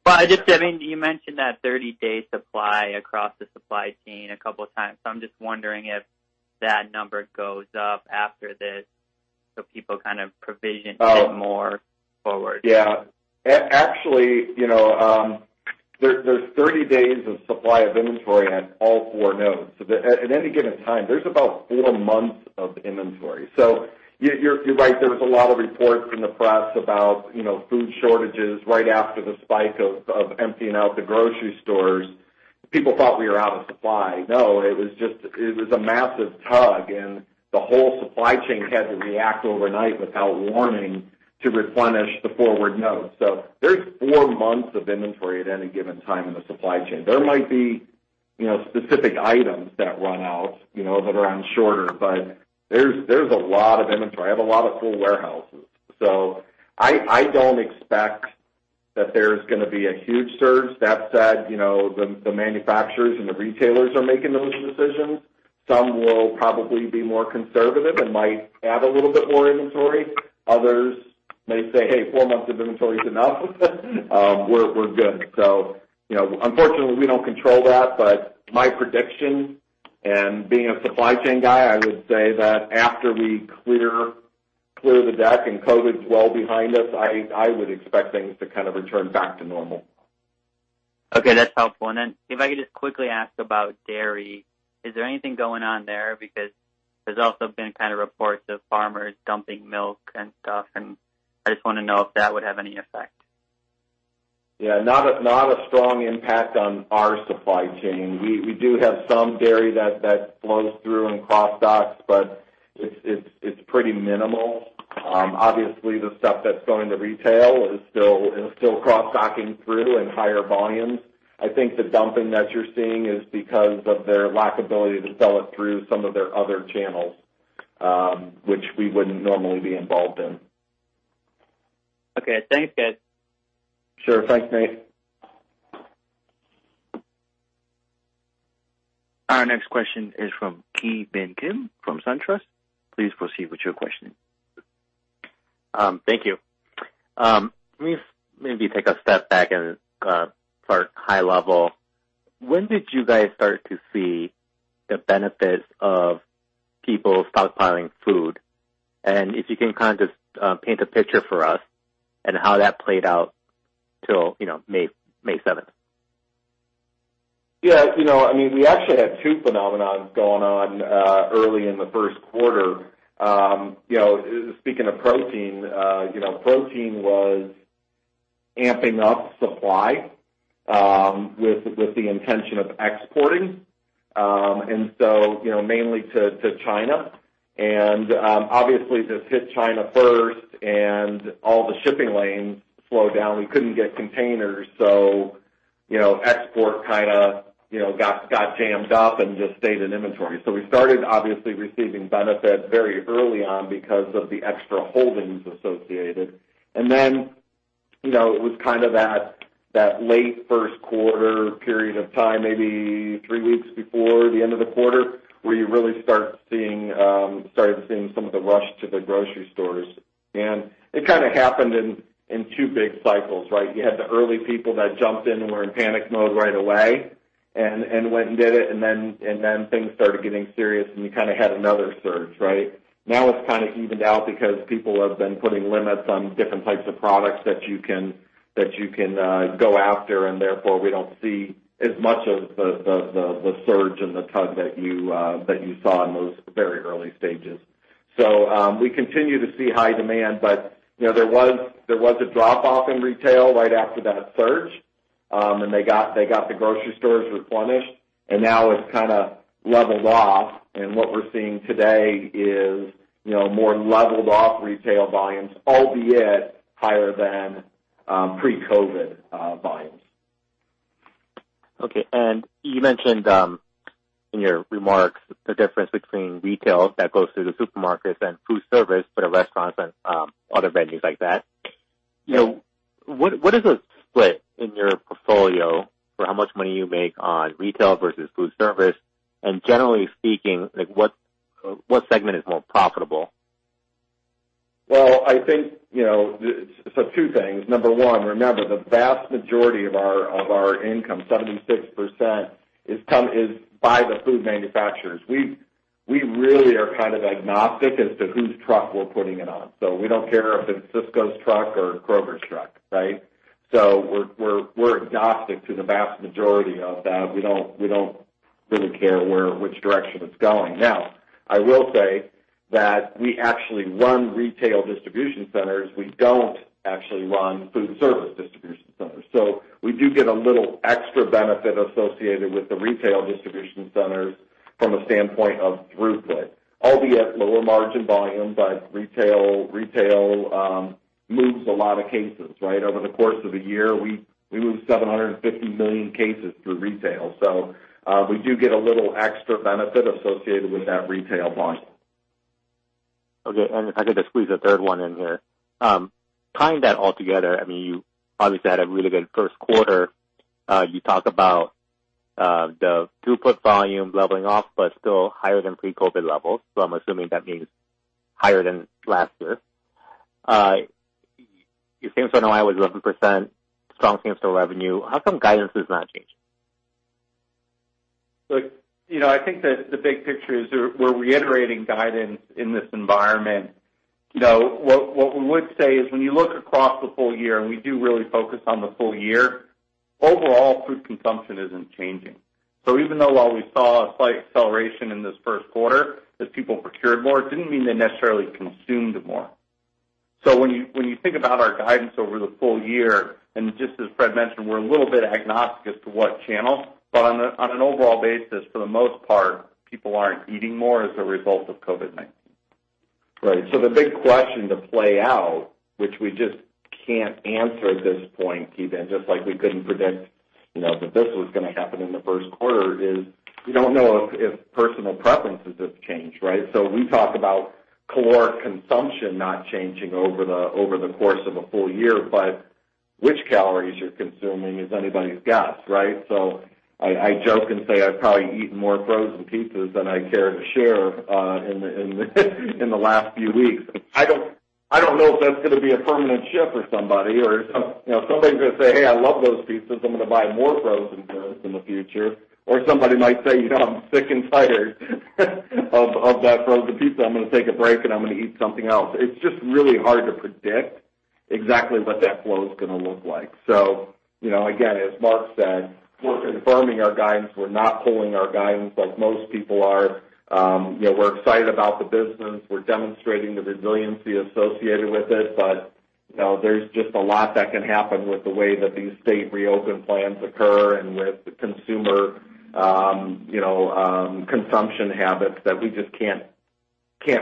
Well, just now, you mentioned that 30-day supply across the supply chain a couple of times. I'm just wondering if that number goes up after this— Oh ...a bit more forward. Yeah. Actually, there's a 30 days of supply of inventory at all four nodes. At any given time, there are about four months of inventory. You're right, there were a lot of reports in the press about food shortages right after the spike of emptying out the grocery stores. People thought we were out of supply. No, it was a massive tug, and the whole supply chain had to react overnight without warning to replenish the forward nodes. There are four months of inventory at any given time in the supply chain. There might be specific items that run out that are on order, but there's a lot of inventory. I have a lot of full warehouses. I don't expect that there's going to be a huge surge. That said, the manufacturers and the retailers are making those decisions. Some will probably be more conservative and might add a little bit more inventory. Others may say, Hey, four months of inventory is enough. We're good. Unfortunately, we don't control that. My prediction, and being a supply chain guy, I would say that after we clear the deck and COVID's well behind us, I would expect things to kind of return to normal. Okay, that's helpful. If I could just quickly ask about dairy. Is there anything going on there? There have also been kind of reports of farmers dumping milk and stuff, and I just want to know if that would have any effect. Yeah. Not a strong impact on our supply chain. We do have some dairy that flows through and cross-docks, but it's pretty minimal. Obviously, the stuff that's going to retail is still cross-docking through in higher volumes. I think the dumping that you're seeing is because of their lack of ability to sell it through some of their other channels, which we wouldn't normally be involved in. Okay. Thanks, Fred. Sure. Thanks, Nate. Our next question is from Ki Bin Kim from SunTrust. Please proceed with your question. Thank you. Let me maybe take a step back and start at a high level. When did you guys start to see the benefits of people stockpiling food? If you can kind of just paint a picture for us of how that played out till May 7th. Yeah. We actually had two phenomena going on early in the first quarter. Speaking of protein, we were amping up supply with the intention of exporting. Mainly to China, and obviously this hit China first, and all the shipping lanes slowed down. We couldn't get containers, so export kind of got jammed up and just stayed in inventory. We started obviously receiving benefits very early on because of the extra holdings associated. It was kind of that late first-quarter period of time, maybe three weeks before the end of the quarter, where you really started seeing some of the rush to the grocery stores. It kind of happened in two big cycles, right? You had the early people that jumped in and were in panic mode right away and went and did it, and then things started getting serious, and you kind of had another surge, right? It's kind of evened out because people have been putting limits on different types of products that you can go after, and therefore, we don't see as much of the surge and the tug that you saw in those very early stages. We continue to see high demand, but there was a drop-off in retail right after that surge. They got the grocery stores replenished, and now it's kind of leveled off. What we're seeing today is more leveled off retail volumes, albeit higher than pre-COVID volumes. Okay. You mentioned in your remarks the difference between retail that goes through the supermarkets and food service for the restaurants and other venues like that. Yeah. What is the split in your portfolio for how much money you make on retail versus food service? Generally speaking, what segment is more profitable? Well, I think two things. Number one, remember, the vast majority of our income, 76%, is by the food manufacturers. We really are kind of agnostic as to whose truck we're putting it on. We don't care if it's Sysco's truck or Kroger's truck, right? We're agnostic to the vast majority of that. We don't really care which direction it's going. I will say that we actually run retail distribution centers. We don't actually run food service distribution centers. We do get a little extra benefit associated with the retail distribution centers from a standpoint of throughput, albeit lower margin volume, retail moves a lot of cases, right? Over the course of a year, we move 750 million cases through retail. We do get a little extra benefit associated with that retail volume. Okay. If I could just squeeze a third one in here. Tying that all together, you obviously had a really good first quarter. You talk about the throughput pallets leveling off but still being higher than pre-COVID-19 levels, I'm assuming that means higher than last year. Your same-store NOI is 11%, strong rent and storage revenue. How come guidance does not change? Look, I think that the big picture is we're reiterating guidance in this environment. What we would say is when you look across the full year, and we do really focus on the full year, overall food consumption isn't changing. Even though while we saw a slight acceleration in this first quarter as people procured more, it didn't mean they necessarily consumed more. When you think about our guidance over the full year, and just as Fred mentioned, we're a little bit agnostic as to what channel, but on an overall basis, for the most part, people aren't eating more as a result of COVID-19. The big question to play out, which we just can't answer at this point, Kim, and just like we couldn't predict that this was going to happen in the first quarter, is we don't know if personal preferences have changed, right? We talk about caloric consumption not changing over the course of a full year, but which calories you're consuming is anybody's guess, right? I joke and say I've probably eaten more frozen pizzas than I care to share in the last few weeks. I don't know if that's going to be a permanent shift for somebody or if somebody's going to say, Hey, I love those pizzas. I'm going to buy more frozen goods in the future. Somebody might say, I'm sick and tired of that frozen pizza. I'm going to take a break, and I'm going to eat something else. It's just really hard to predict exactly what that flow is going to look like. Again, as Marc said, we're confirming our guidance. We're not pulling our guidance like most people are. We're excited about the business. We're demonstrating the resiliency associated with it. There's just a lot that can happen with the way that these state reopening plans occur and with the consumer consumption habits that we just can't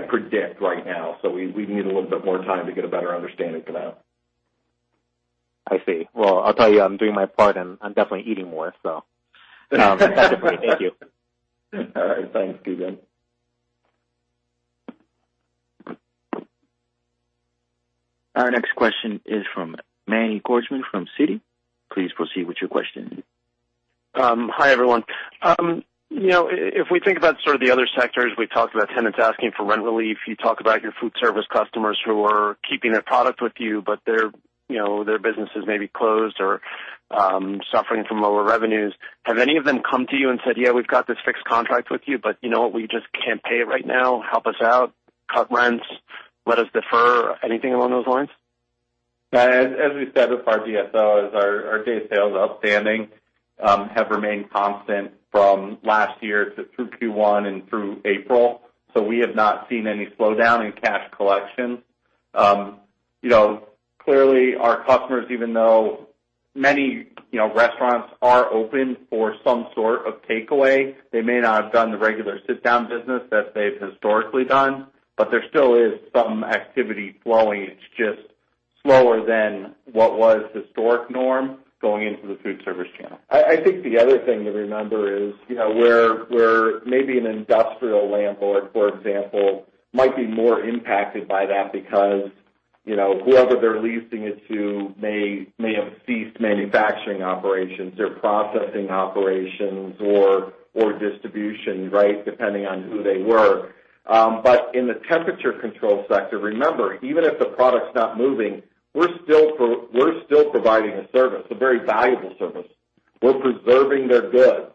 predict right now. We need a little bit more time to get a better understanding of that. I see. Well, I'll tell you, I'm doing my part, and I'm definitely eating more, so. Thank you. All right. Thanks, Kim. Our next question is from Manny Korchman from Citi. Please proceed with your question. Hi, everyone. If we think about sort of the other sectors, we talked about tenants asking for rent relief. You talk about your food service customers who are keeping their product with you, but their businesses may be closed or suffering from lower revenues. Have any of them come to you and said, "Yeah, we've got this fixed contract with you, but we just can't pay it right now"? Help us out. Cut rents. Let us defer. Anything along those lines? As we said with our DSO, our days sales outstanding have remained constant from last year through Q1 and through April. We have not seen any slowdown in cash collection. Clearly, our customers, even though many restaurants are open for some sort of takeaway, may not have done the regular sit-down business that they've historically done, but there still is some activity flowing. It's just slower than what was the historic norm going into the food service channel. I think the other thing to remember is that maybe an industrial landlord, for example, might be more impacted by that because whoever they're leasing it to may have ceased manufacturing operations or processing operations or distribution, right, depending on who they were. In the temperature control sector, remember, even if the product's not moving, we're still providing a service, a very valuable service. We're preserving their goods.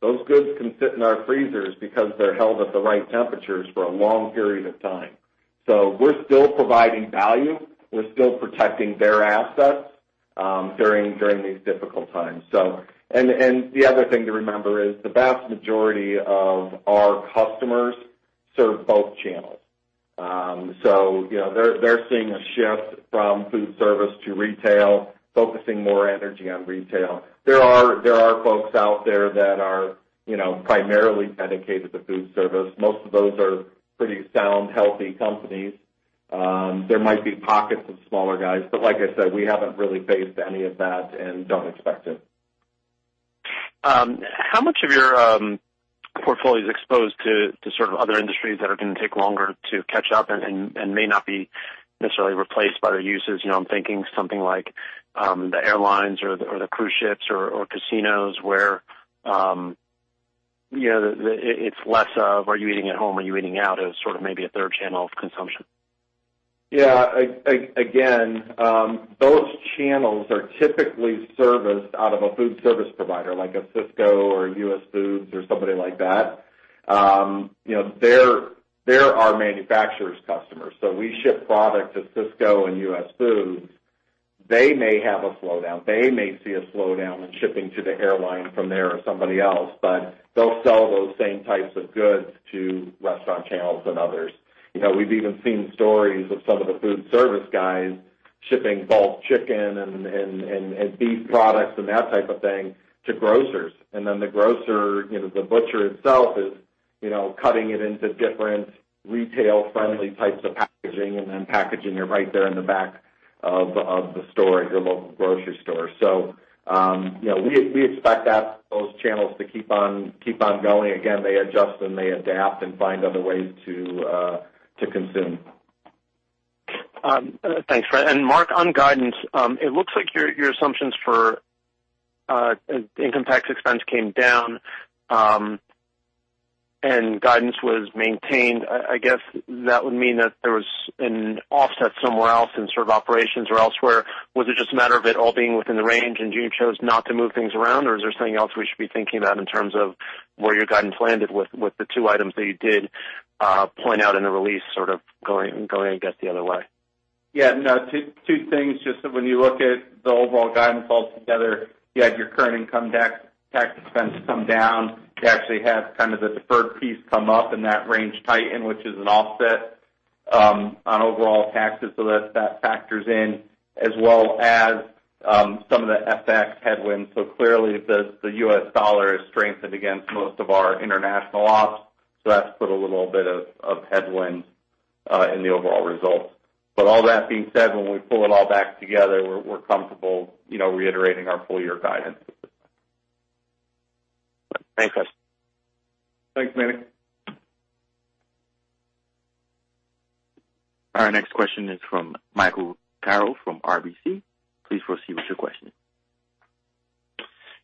Those goods can sit in our freezers because they're held at the right temperatures for a long period of time. We're still providing value. We're still protecting their assets during these difficult times. The other thing to remember is the vast majority of our customers serve both channels. They're seeing a shift from food service to retail, focusing more energy on retail. There are folks out there that are primarily dedicated to food service. Most of those are pretty sound, healthy companies. There might be pockets of smaller guys, but like I said, we haven't really faced any of that and don't expect it. How much of your portfolio is exposed to sort of other industries that are going to take longer to catch up and may not be necessarily replaced by their users? I'm thinking something like the airlines or the cruise ships or casinos where it's less of are you eating at home, are you eating out as sort of maybe a third channel of consumption? Yeah. Again, those channels are typically serviced out of a food service provider like a Sysco or a US Foods or someone like that. They're our manufacturer's customers. We ship products to Sysco and US Foods. They may have a slowdown. They may see a slowdown when shipping to the airline from there or somebody else, but they'll sell those same types of goods to restaurant channels and others. We've even seen stories of some of the food service guys shipping bulk chicken and beef products and that type of thing to grocers. The grocer, the butcher, is cutting it into different retail-friendly types of packaging and then packaging it right there in the back of the store at your local grocery store. We expect those channels to keep on going. Again, they adjust and they adapt and find other ways to consume. Thanks, Fred. Marc, on guidance, it looks like your assumptions for income tax expense came down, and guidance was maintained. I guess that would mean that there was an offset somewhere else in the sort of operations or elsewhere. Was it just a matter of it all being within the range, and you chose not to move things around? Or is there something else we should be thinking about in terms of where your guidance landed with the two items that you did point out in the release, sort of going against the other way? No, two things. Just that when you look at the overall guidance altogether, you have your current income tax expense come down. You actually had kind of the deferred piece come up and that range tighten, which is an offset on overall taxes. That factors in as well as some of the FX headwinds. Clearly, the U.S. dollar has strengthened against most of our international ops. All that being said, when we pull it all back together, we're comfortable reiterating our full-year guidance. Thanks, Marc. Thanks, Manny. Our next question is from Michael Carroll from RBC. Please proceed with your question.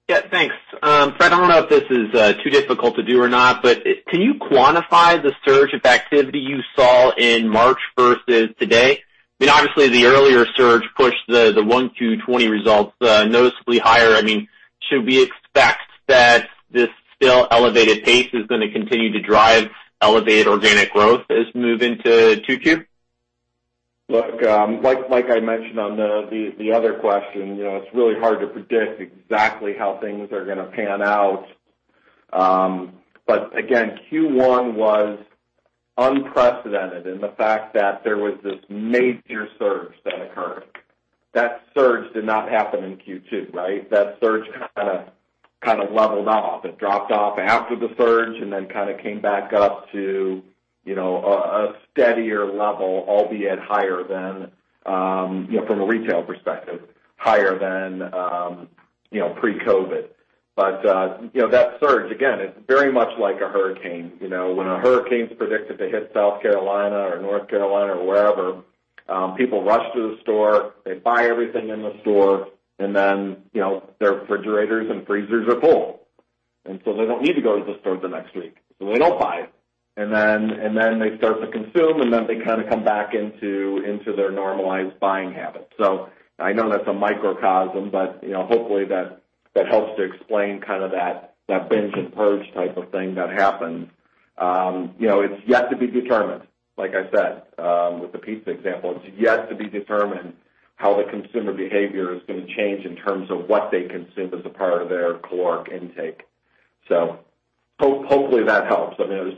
Yeah, thanks. Fred, I don't know if this is too difficult to do or not, but can you quantify the surge of activity you saw in March versus today? I mean, obviously, the earlier surge pushed the Q1 results noticeably higher. I mean, should we expect that this still elevated pace is going to continue to drive elevated organic growth as we move into Q2? Look, like I mentioned on the other question, it's really hard to predict exactly how things are going to pan out. Again, Q1 was unprecedented in the fact that there was this major surge that occurred. That surge did not happen in Q2, right? That surge kind of leveled off. It dropped off after the surge and then kind of came back up to a steadier level, albeit higher than, from a retail perspective, higher than pre-COVID. That surge, again, is very much like a hurricane. When a hurricane's predicted to hit South Carolina or North Carolina or wherever, people rush to the store, they buy everything in the store, and then their refrigerators and freezers are full. They don't need to go to the store the next week, so they don't buy. They start to consume, and then they kind of come back into their normalized buying habits. I know that's a microcosm, but hopefully that helps to explain kind of that binge and purge type of thing that happens. It's yet to be determined, like I said, with the pizza example. It's yet to be determined how consumer behavior is going to change in terms of what they consume as a part of their caloric intake. Hopefully that helps. I mean,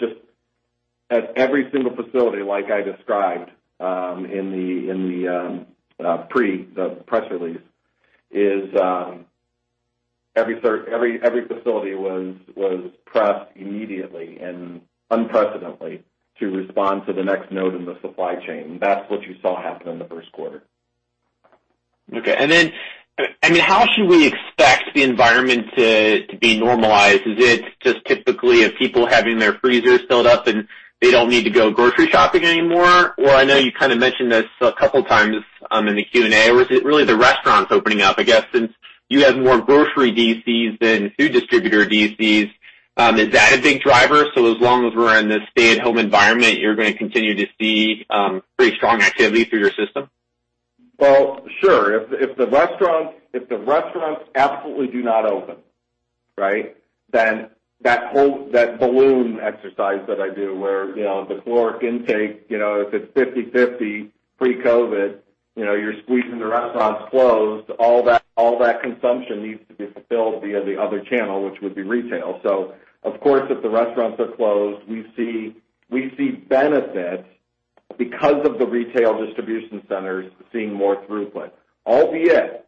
at every single facility, like I described in the press release, every facility was pressed immediately and unprecedentedly to respond to the next node in the supply chain. That's what you saw happen in the first quarter. Okay. Then, I mean, how should we expect the environment to be normalized? Is it just typical of people to have their freezers filled up and not need to go grocery shopping anymore? I know you kind of mentioned this a couple times in the Q&A. Is it really the restaurants opening up? I guess since you have more grocery DCs than food distributor DCs, is that a big driver? As long as we're in this stay-at-home environment, you're going to continue to see pretty strong activity through your system? Well, sure. If the restaurants absolutely do not open, then that whole balloon exercise that I do, where the caloric intake, if it's 50/50 pre-COVID, you're squeezing the restaurants closed, all that consumption needs to be fulfilled via the other channel, which would be retail. Of course, if the restaurants are closed, we see benefits because of the retail distribution centers seeing more throughput. Albeit,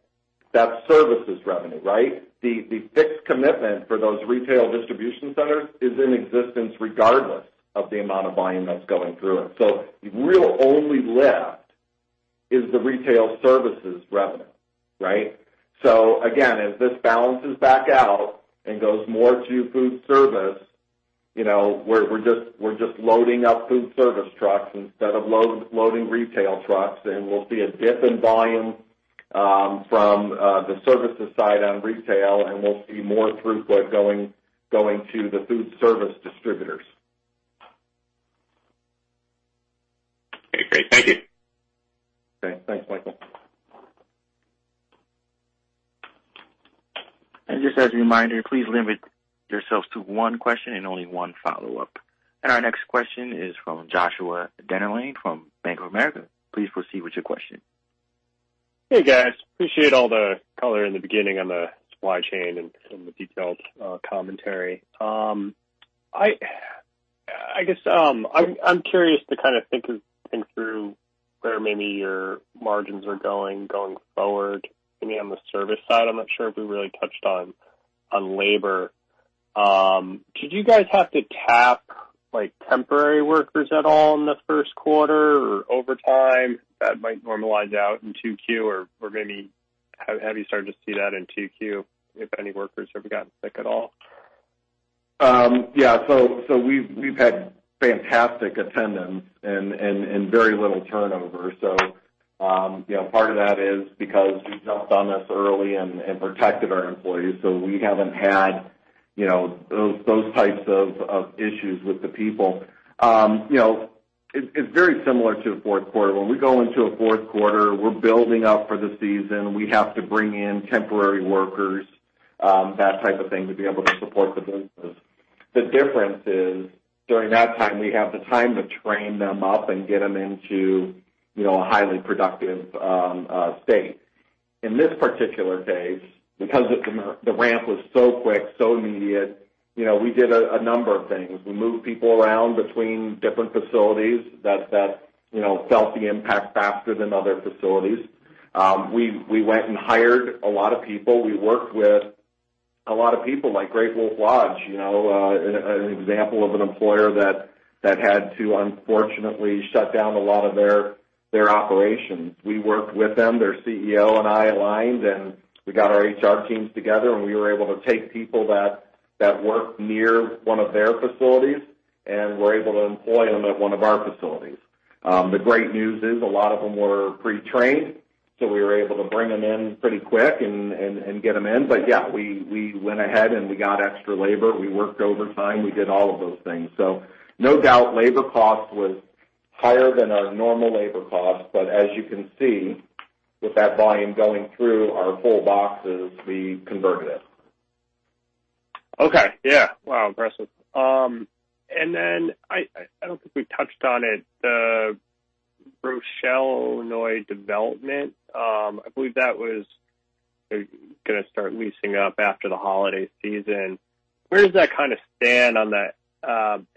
that's services revenue, right? The fixed commitment for those retail distribution centers is in existence regardless of the amount of volume that's going through it. Really only left is the retail services revenue, right? Again, as this balances back out and goes more to food service, we're just loading up food service trucks instead of loading retail trucks, and we'll see a dip in volume from the services side on retail, and we'll see more throughput going to the food service distributors. Okay, great. Thank you. Okay, thanks Michael. Just as a reminder, please limit yourselves to one question and only one follow-up. Our next question is from Joshua Dennerlein from Bank of America. Please proceed with your question. Hey guys. Appreciate all the color in the beginning on the supply chain and some of the detailed commentary. I guess I'm curious to kind of think through where maybe your margins are going forward. Maybe on the service side, I'm not sure if we really touched on labor. Did you guys have to tap temporary workers at all in the first quarter or overtime that might normalize in Q2? Maybe you have started to see that in Q2, if any workers have gotten sick at all? We've had fantastic attendance and very little turnover. Part of that is because we jumped on this early and protected our employees, so we haven't had those types of issues with the people. It's very similar to a fourth quarter. When we go into a fourth quarter, we're building up for the season. We have to bring in temporary workers, that type of thing, to be able to support the business. The difference is, during that time, we have the time to train them up and get them into a highly productive state. In this particular case, because the ramp was so quick, so immediate, we did a number of things. We moved people around between different facilities that felt the impact faster than other facilities. We went and hired a lot of people. We worked with a lot of people like Great Wolf Lodge, an example of an employer that had to unfortunately shut down a lot of their operations. We worked with them, their CEO and I aligned, and we got our HR teams together, and we were able to take people that worked near one of their facilities and were able to employ them at one of our facilities. The great news is a lot of them were pre-trained, so we were able to bring them in pretty quick and get them in. Yeah, we went ahead and we got extra labor. We worked overtime. We did all of those things. No doubt labor cost was higher than our normal labor costs. As you can see, with that volume going through our full boxes, we converted it. Okay. Yeah. Wow. Impressive. I don't think we touched on it, the Rochelle, Illinois development. I believe that was going to start leasing after the holiday season. Where does that kind of stand on that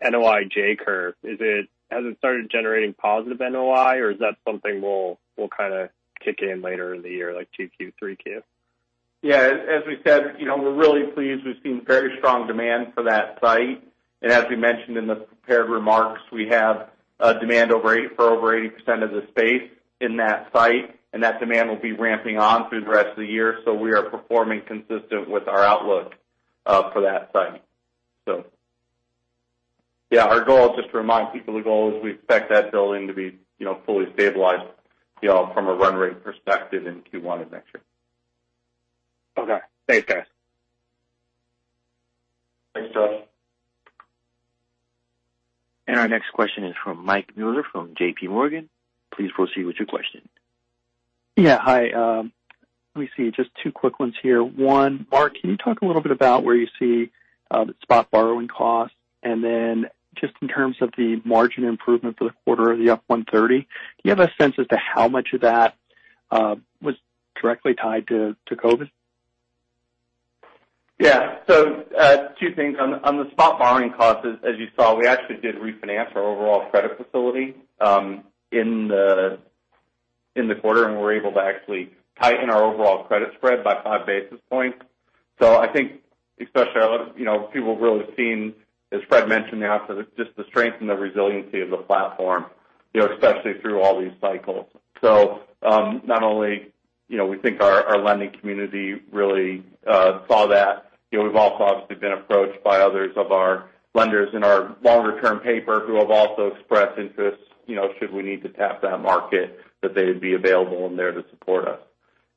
NOI J-curve? Has it started generating positive NOI, or is that something we'll kind of kick in later in the year, like Q2, Q3? As we said, we're really pleased. We've seen very strong demand for that site. As we mentioned in the prepared remarks, we have demand for over 80% of the space in that site, and that demand will be ramping up through the rest of the year. We are performing consistent with our outlook for that site. Our goal, just to remind people, is we expect that building to be fully stabilized from a run rate perspective in Q1 of next year. Okay. Thanks, guys. Thanks, Joshua. Our next question is from Michael Mueller from JP Morgan. Please proceed with your question. Yeah. Hi. Let me see. Just two quick ones here. One, Marc, can you talk a little bit about where you see the spot borrowing costs? Then just in terms of the margin improvement for the quarter of the up 130 basis points, do you have a sense as to how much of that was directly tied to COVID? Yeah. Two things. On the spot borrowing costs, as you saw, we actually did refinance our overall credit facility in the quarter, and we were able to actually tighten our overall credit spread by five basis points. I think especially people have really seen, as Fred mentioned, just the strength and the resiliency of the platform, especially through all these cycles. Not only do we think our lending community really saw that, but we've also obviously been approached by others of our lenders in our longer-term paper who have also expressed interest should we need to tap that market; they'd be available there to support us.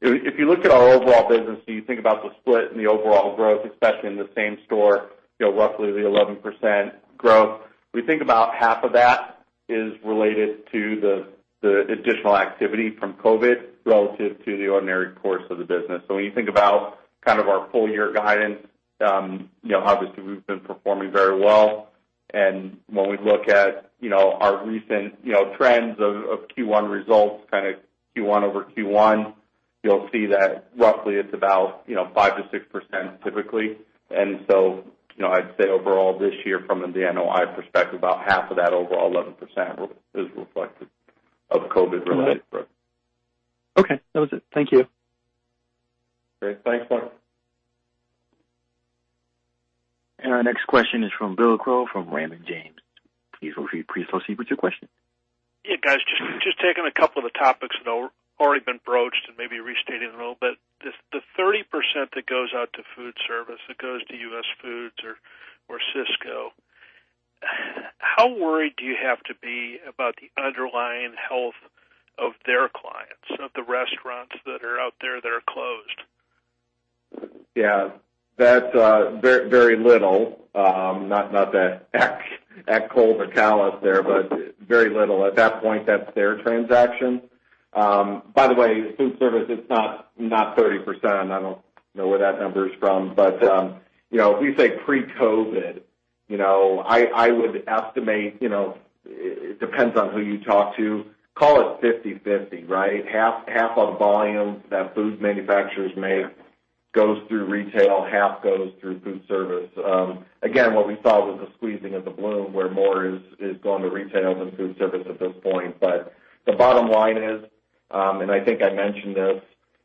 If you look at our overall business, you think about the split and the overall growth, especially in the same store, roughly the 11% growth. We think about half of that is related to the additional activity from COVID relative to the ordinary course of the business. When you think about kind of our full-year guidance, obviously we've been performing very well. When we look at our recent trends of Q1 results, kind of Q1 over Q1, you'll see that roughly it's about 5%-6% typically. I'd say overall this year from the NOI perspective, about half of that overall 11% is reflective of COVID-related growth. Okay. That was it. Thank you. Great. Thanks, Michael. Our next question is from Bill Crow from Raymond James. Please proceed with your question. Yeah, guys, just taking a couple of the topics that have already been broached and maybe restating a little bit. The 30% that goes out to food service goes to US Foods or Sysco. How worried do you have to be about the underlying health of their clients, of the restaurants that are out there that are closed? Yeah. Very little. Not to act cold or callous there, but very little. At that point, that's their transaction. By the way, food service is not 30%. I don't know where that number is from. If we say pre-COVID, I would estimate, depending on who you talk to, call it 50/50, right? Half of the volume that food manufacturers make goes through retail, half goes through food service. Again, what we saw was a squeezing of the bloom, where more is going to retail than food service at this point. The bottom line is, and I think I mentioned this,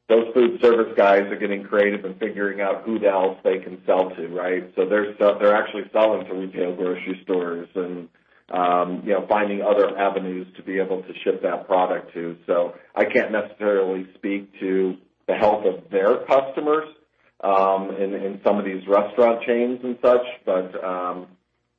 those food service guys are getting creative and figuring out who else they can sell to, right? They're actually selling to retail grocery stores and finding other avenues to be able to ship that product to. I can't necessarily speak to the health of their customers in some of these restaurant chains and such. We're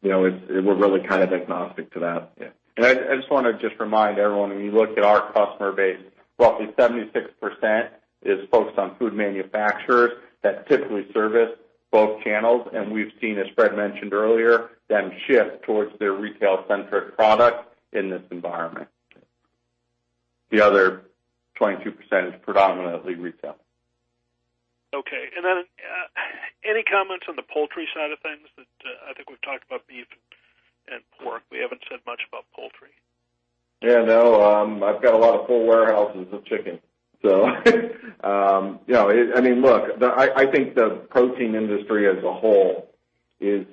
really kind of agnostic to that. Yeah. I just want to just remind everyone, when you look at our customer base, roughly 76% is focused on food manufacturers that typically service both channels. We've seen, as Fred mentioned earlier, them shift towards their retail-centric product in this environment. The other 22% is predominantly retail. Okay. Then any comments on the poultry side of things? I think we've talked about beef and pork. We haven't said much about poultry. Yeah, no. I've got a lot of full warehouses of chicken. Look, I think the protein industry as a whole is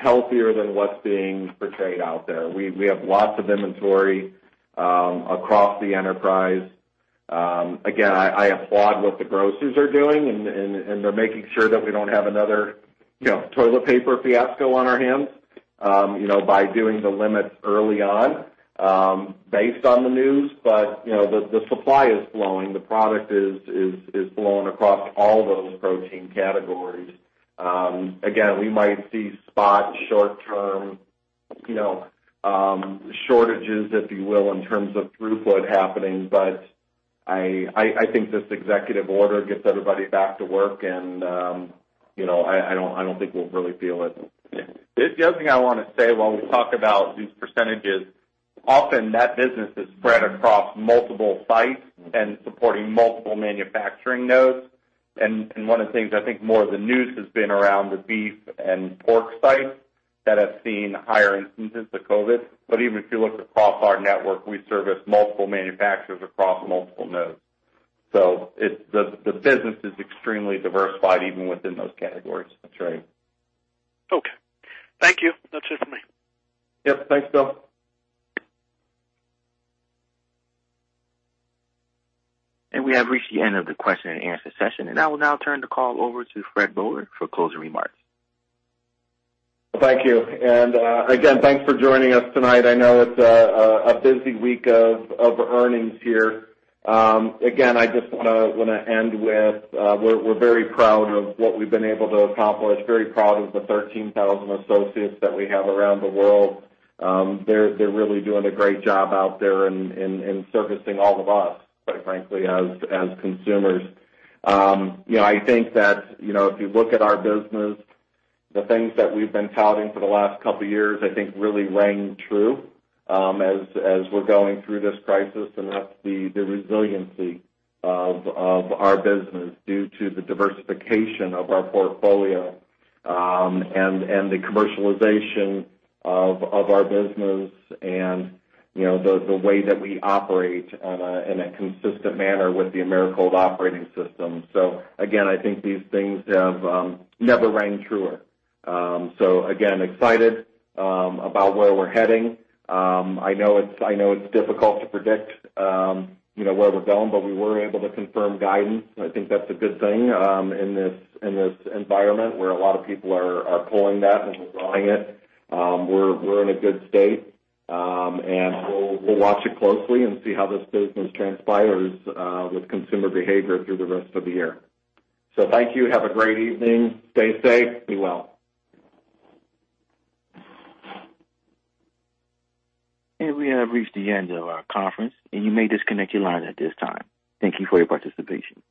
healthier than what's being portrayed out there. We have lots of inventory across the enterprise. Again, I applaud what the grocers are doing, and they're making sure that we don't have another toilet paper fiasco on our hands by doing the limits early on based on the news. The supply is flowing. The product is flowing across all those protein categories. Again, we might see spot short-term shortages, if you will, in terms of throughput happening. I think this executive order gets everybody back to work, and I don't think we'll really feel it. The other thing I want to say while we talk about these percentages is that often business is spread across multiple sites and supports multiple manufacturing nodes. One of the things I think more of the news has been around is the beef and pork sites that have seen higher instances of COVID. Even if you look across our network, we service multiple manufacturers across multiple nodes. The business is extremely diversified even within those categories. That's right. Okay. Thank you. That's it for me. Yep. Thanks, Bill. We have reached the end of the question-and-answer session, and I will now turn the call over to Fred Boehler for closing remarks. Thank you. Again, thanks for joining us tonight. I know it's a busy week of earnings here. I just want to end with we're very proud of what we've been able to accomplish, very proud of the 13,000 associates that we have around the world. They're really doing a great job out there in servicing all of us, quite frankly, as consumers. I think that if you look at our business, the things that we've been touting for the last couple of years, I think, really rang true as we're going through this crisis, and that's the resiliency of our business due to the diversification of our portfolio and the commercialization of our business and the way that we operate in a consistent manner with the Americold Operating System. Again, I think these things have never rang truer. Again, excited about where we're heading. I know it's difficult to predict where we're going, but we were able to confirm guidance, and I think that's a good thing in this environment where a lot of people are pulling that and withdrawing it. We're in a good state. We'll watch it closely and see how this business transpires with consumer behavior through the rest of the year. Thank you. Have a great evening. Stay safe. Be well. We have reached the end of our conference, and you may disconnect your lines at this time. Thank you for your participation.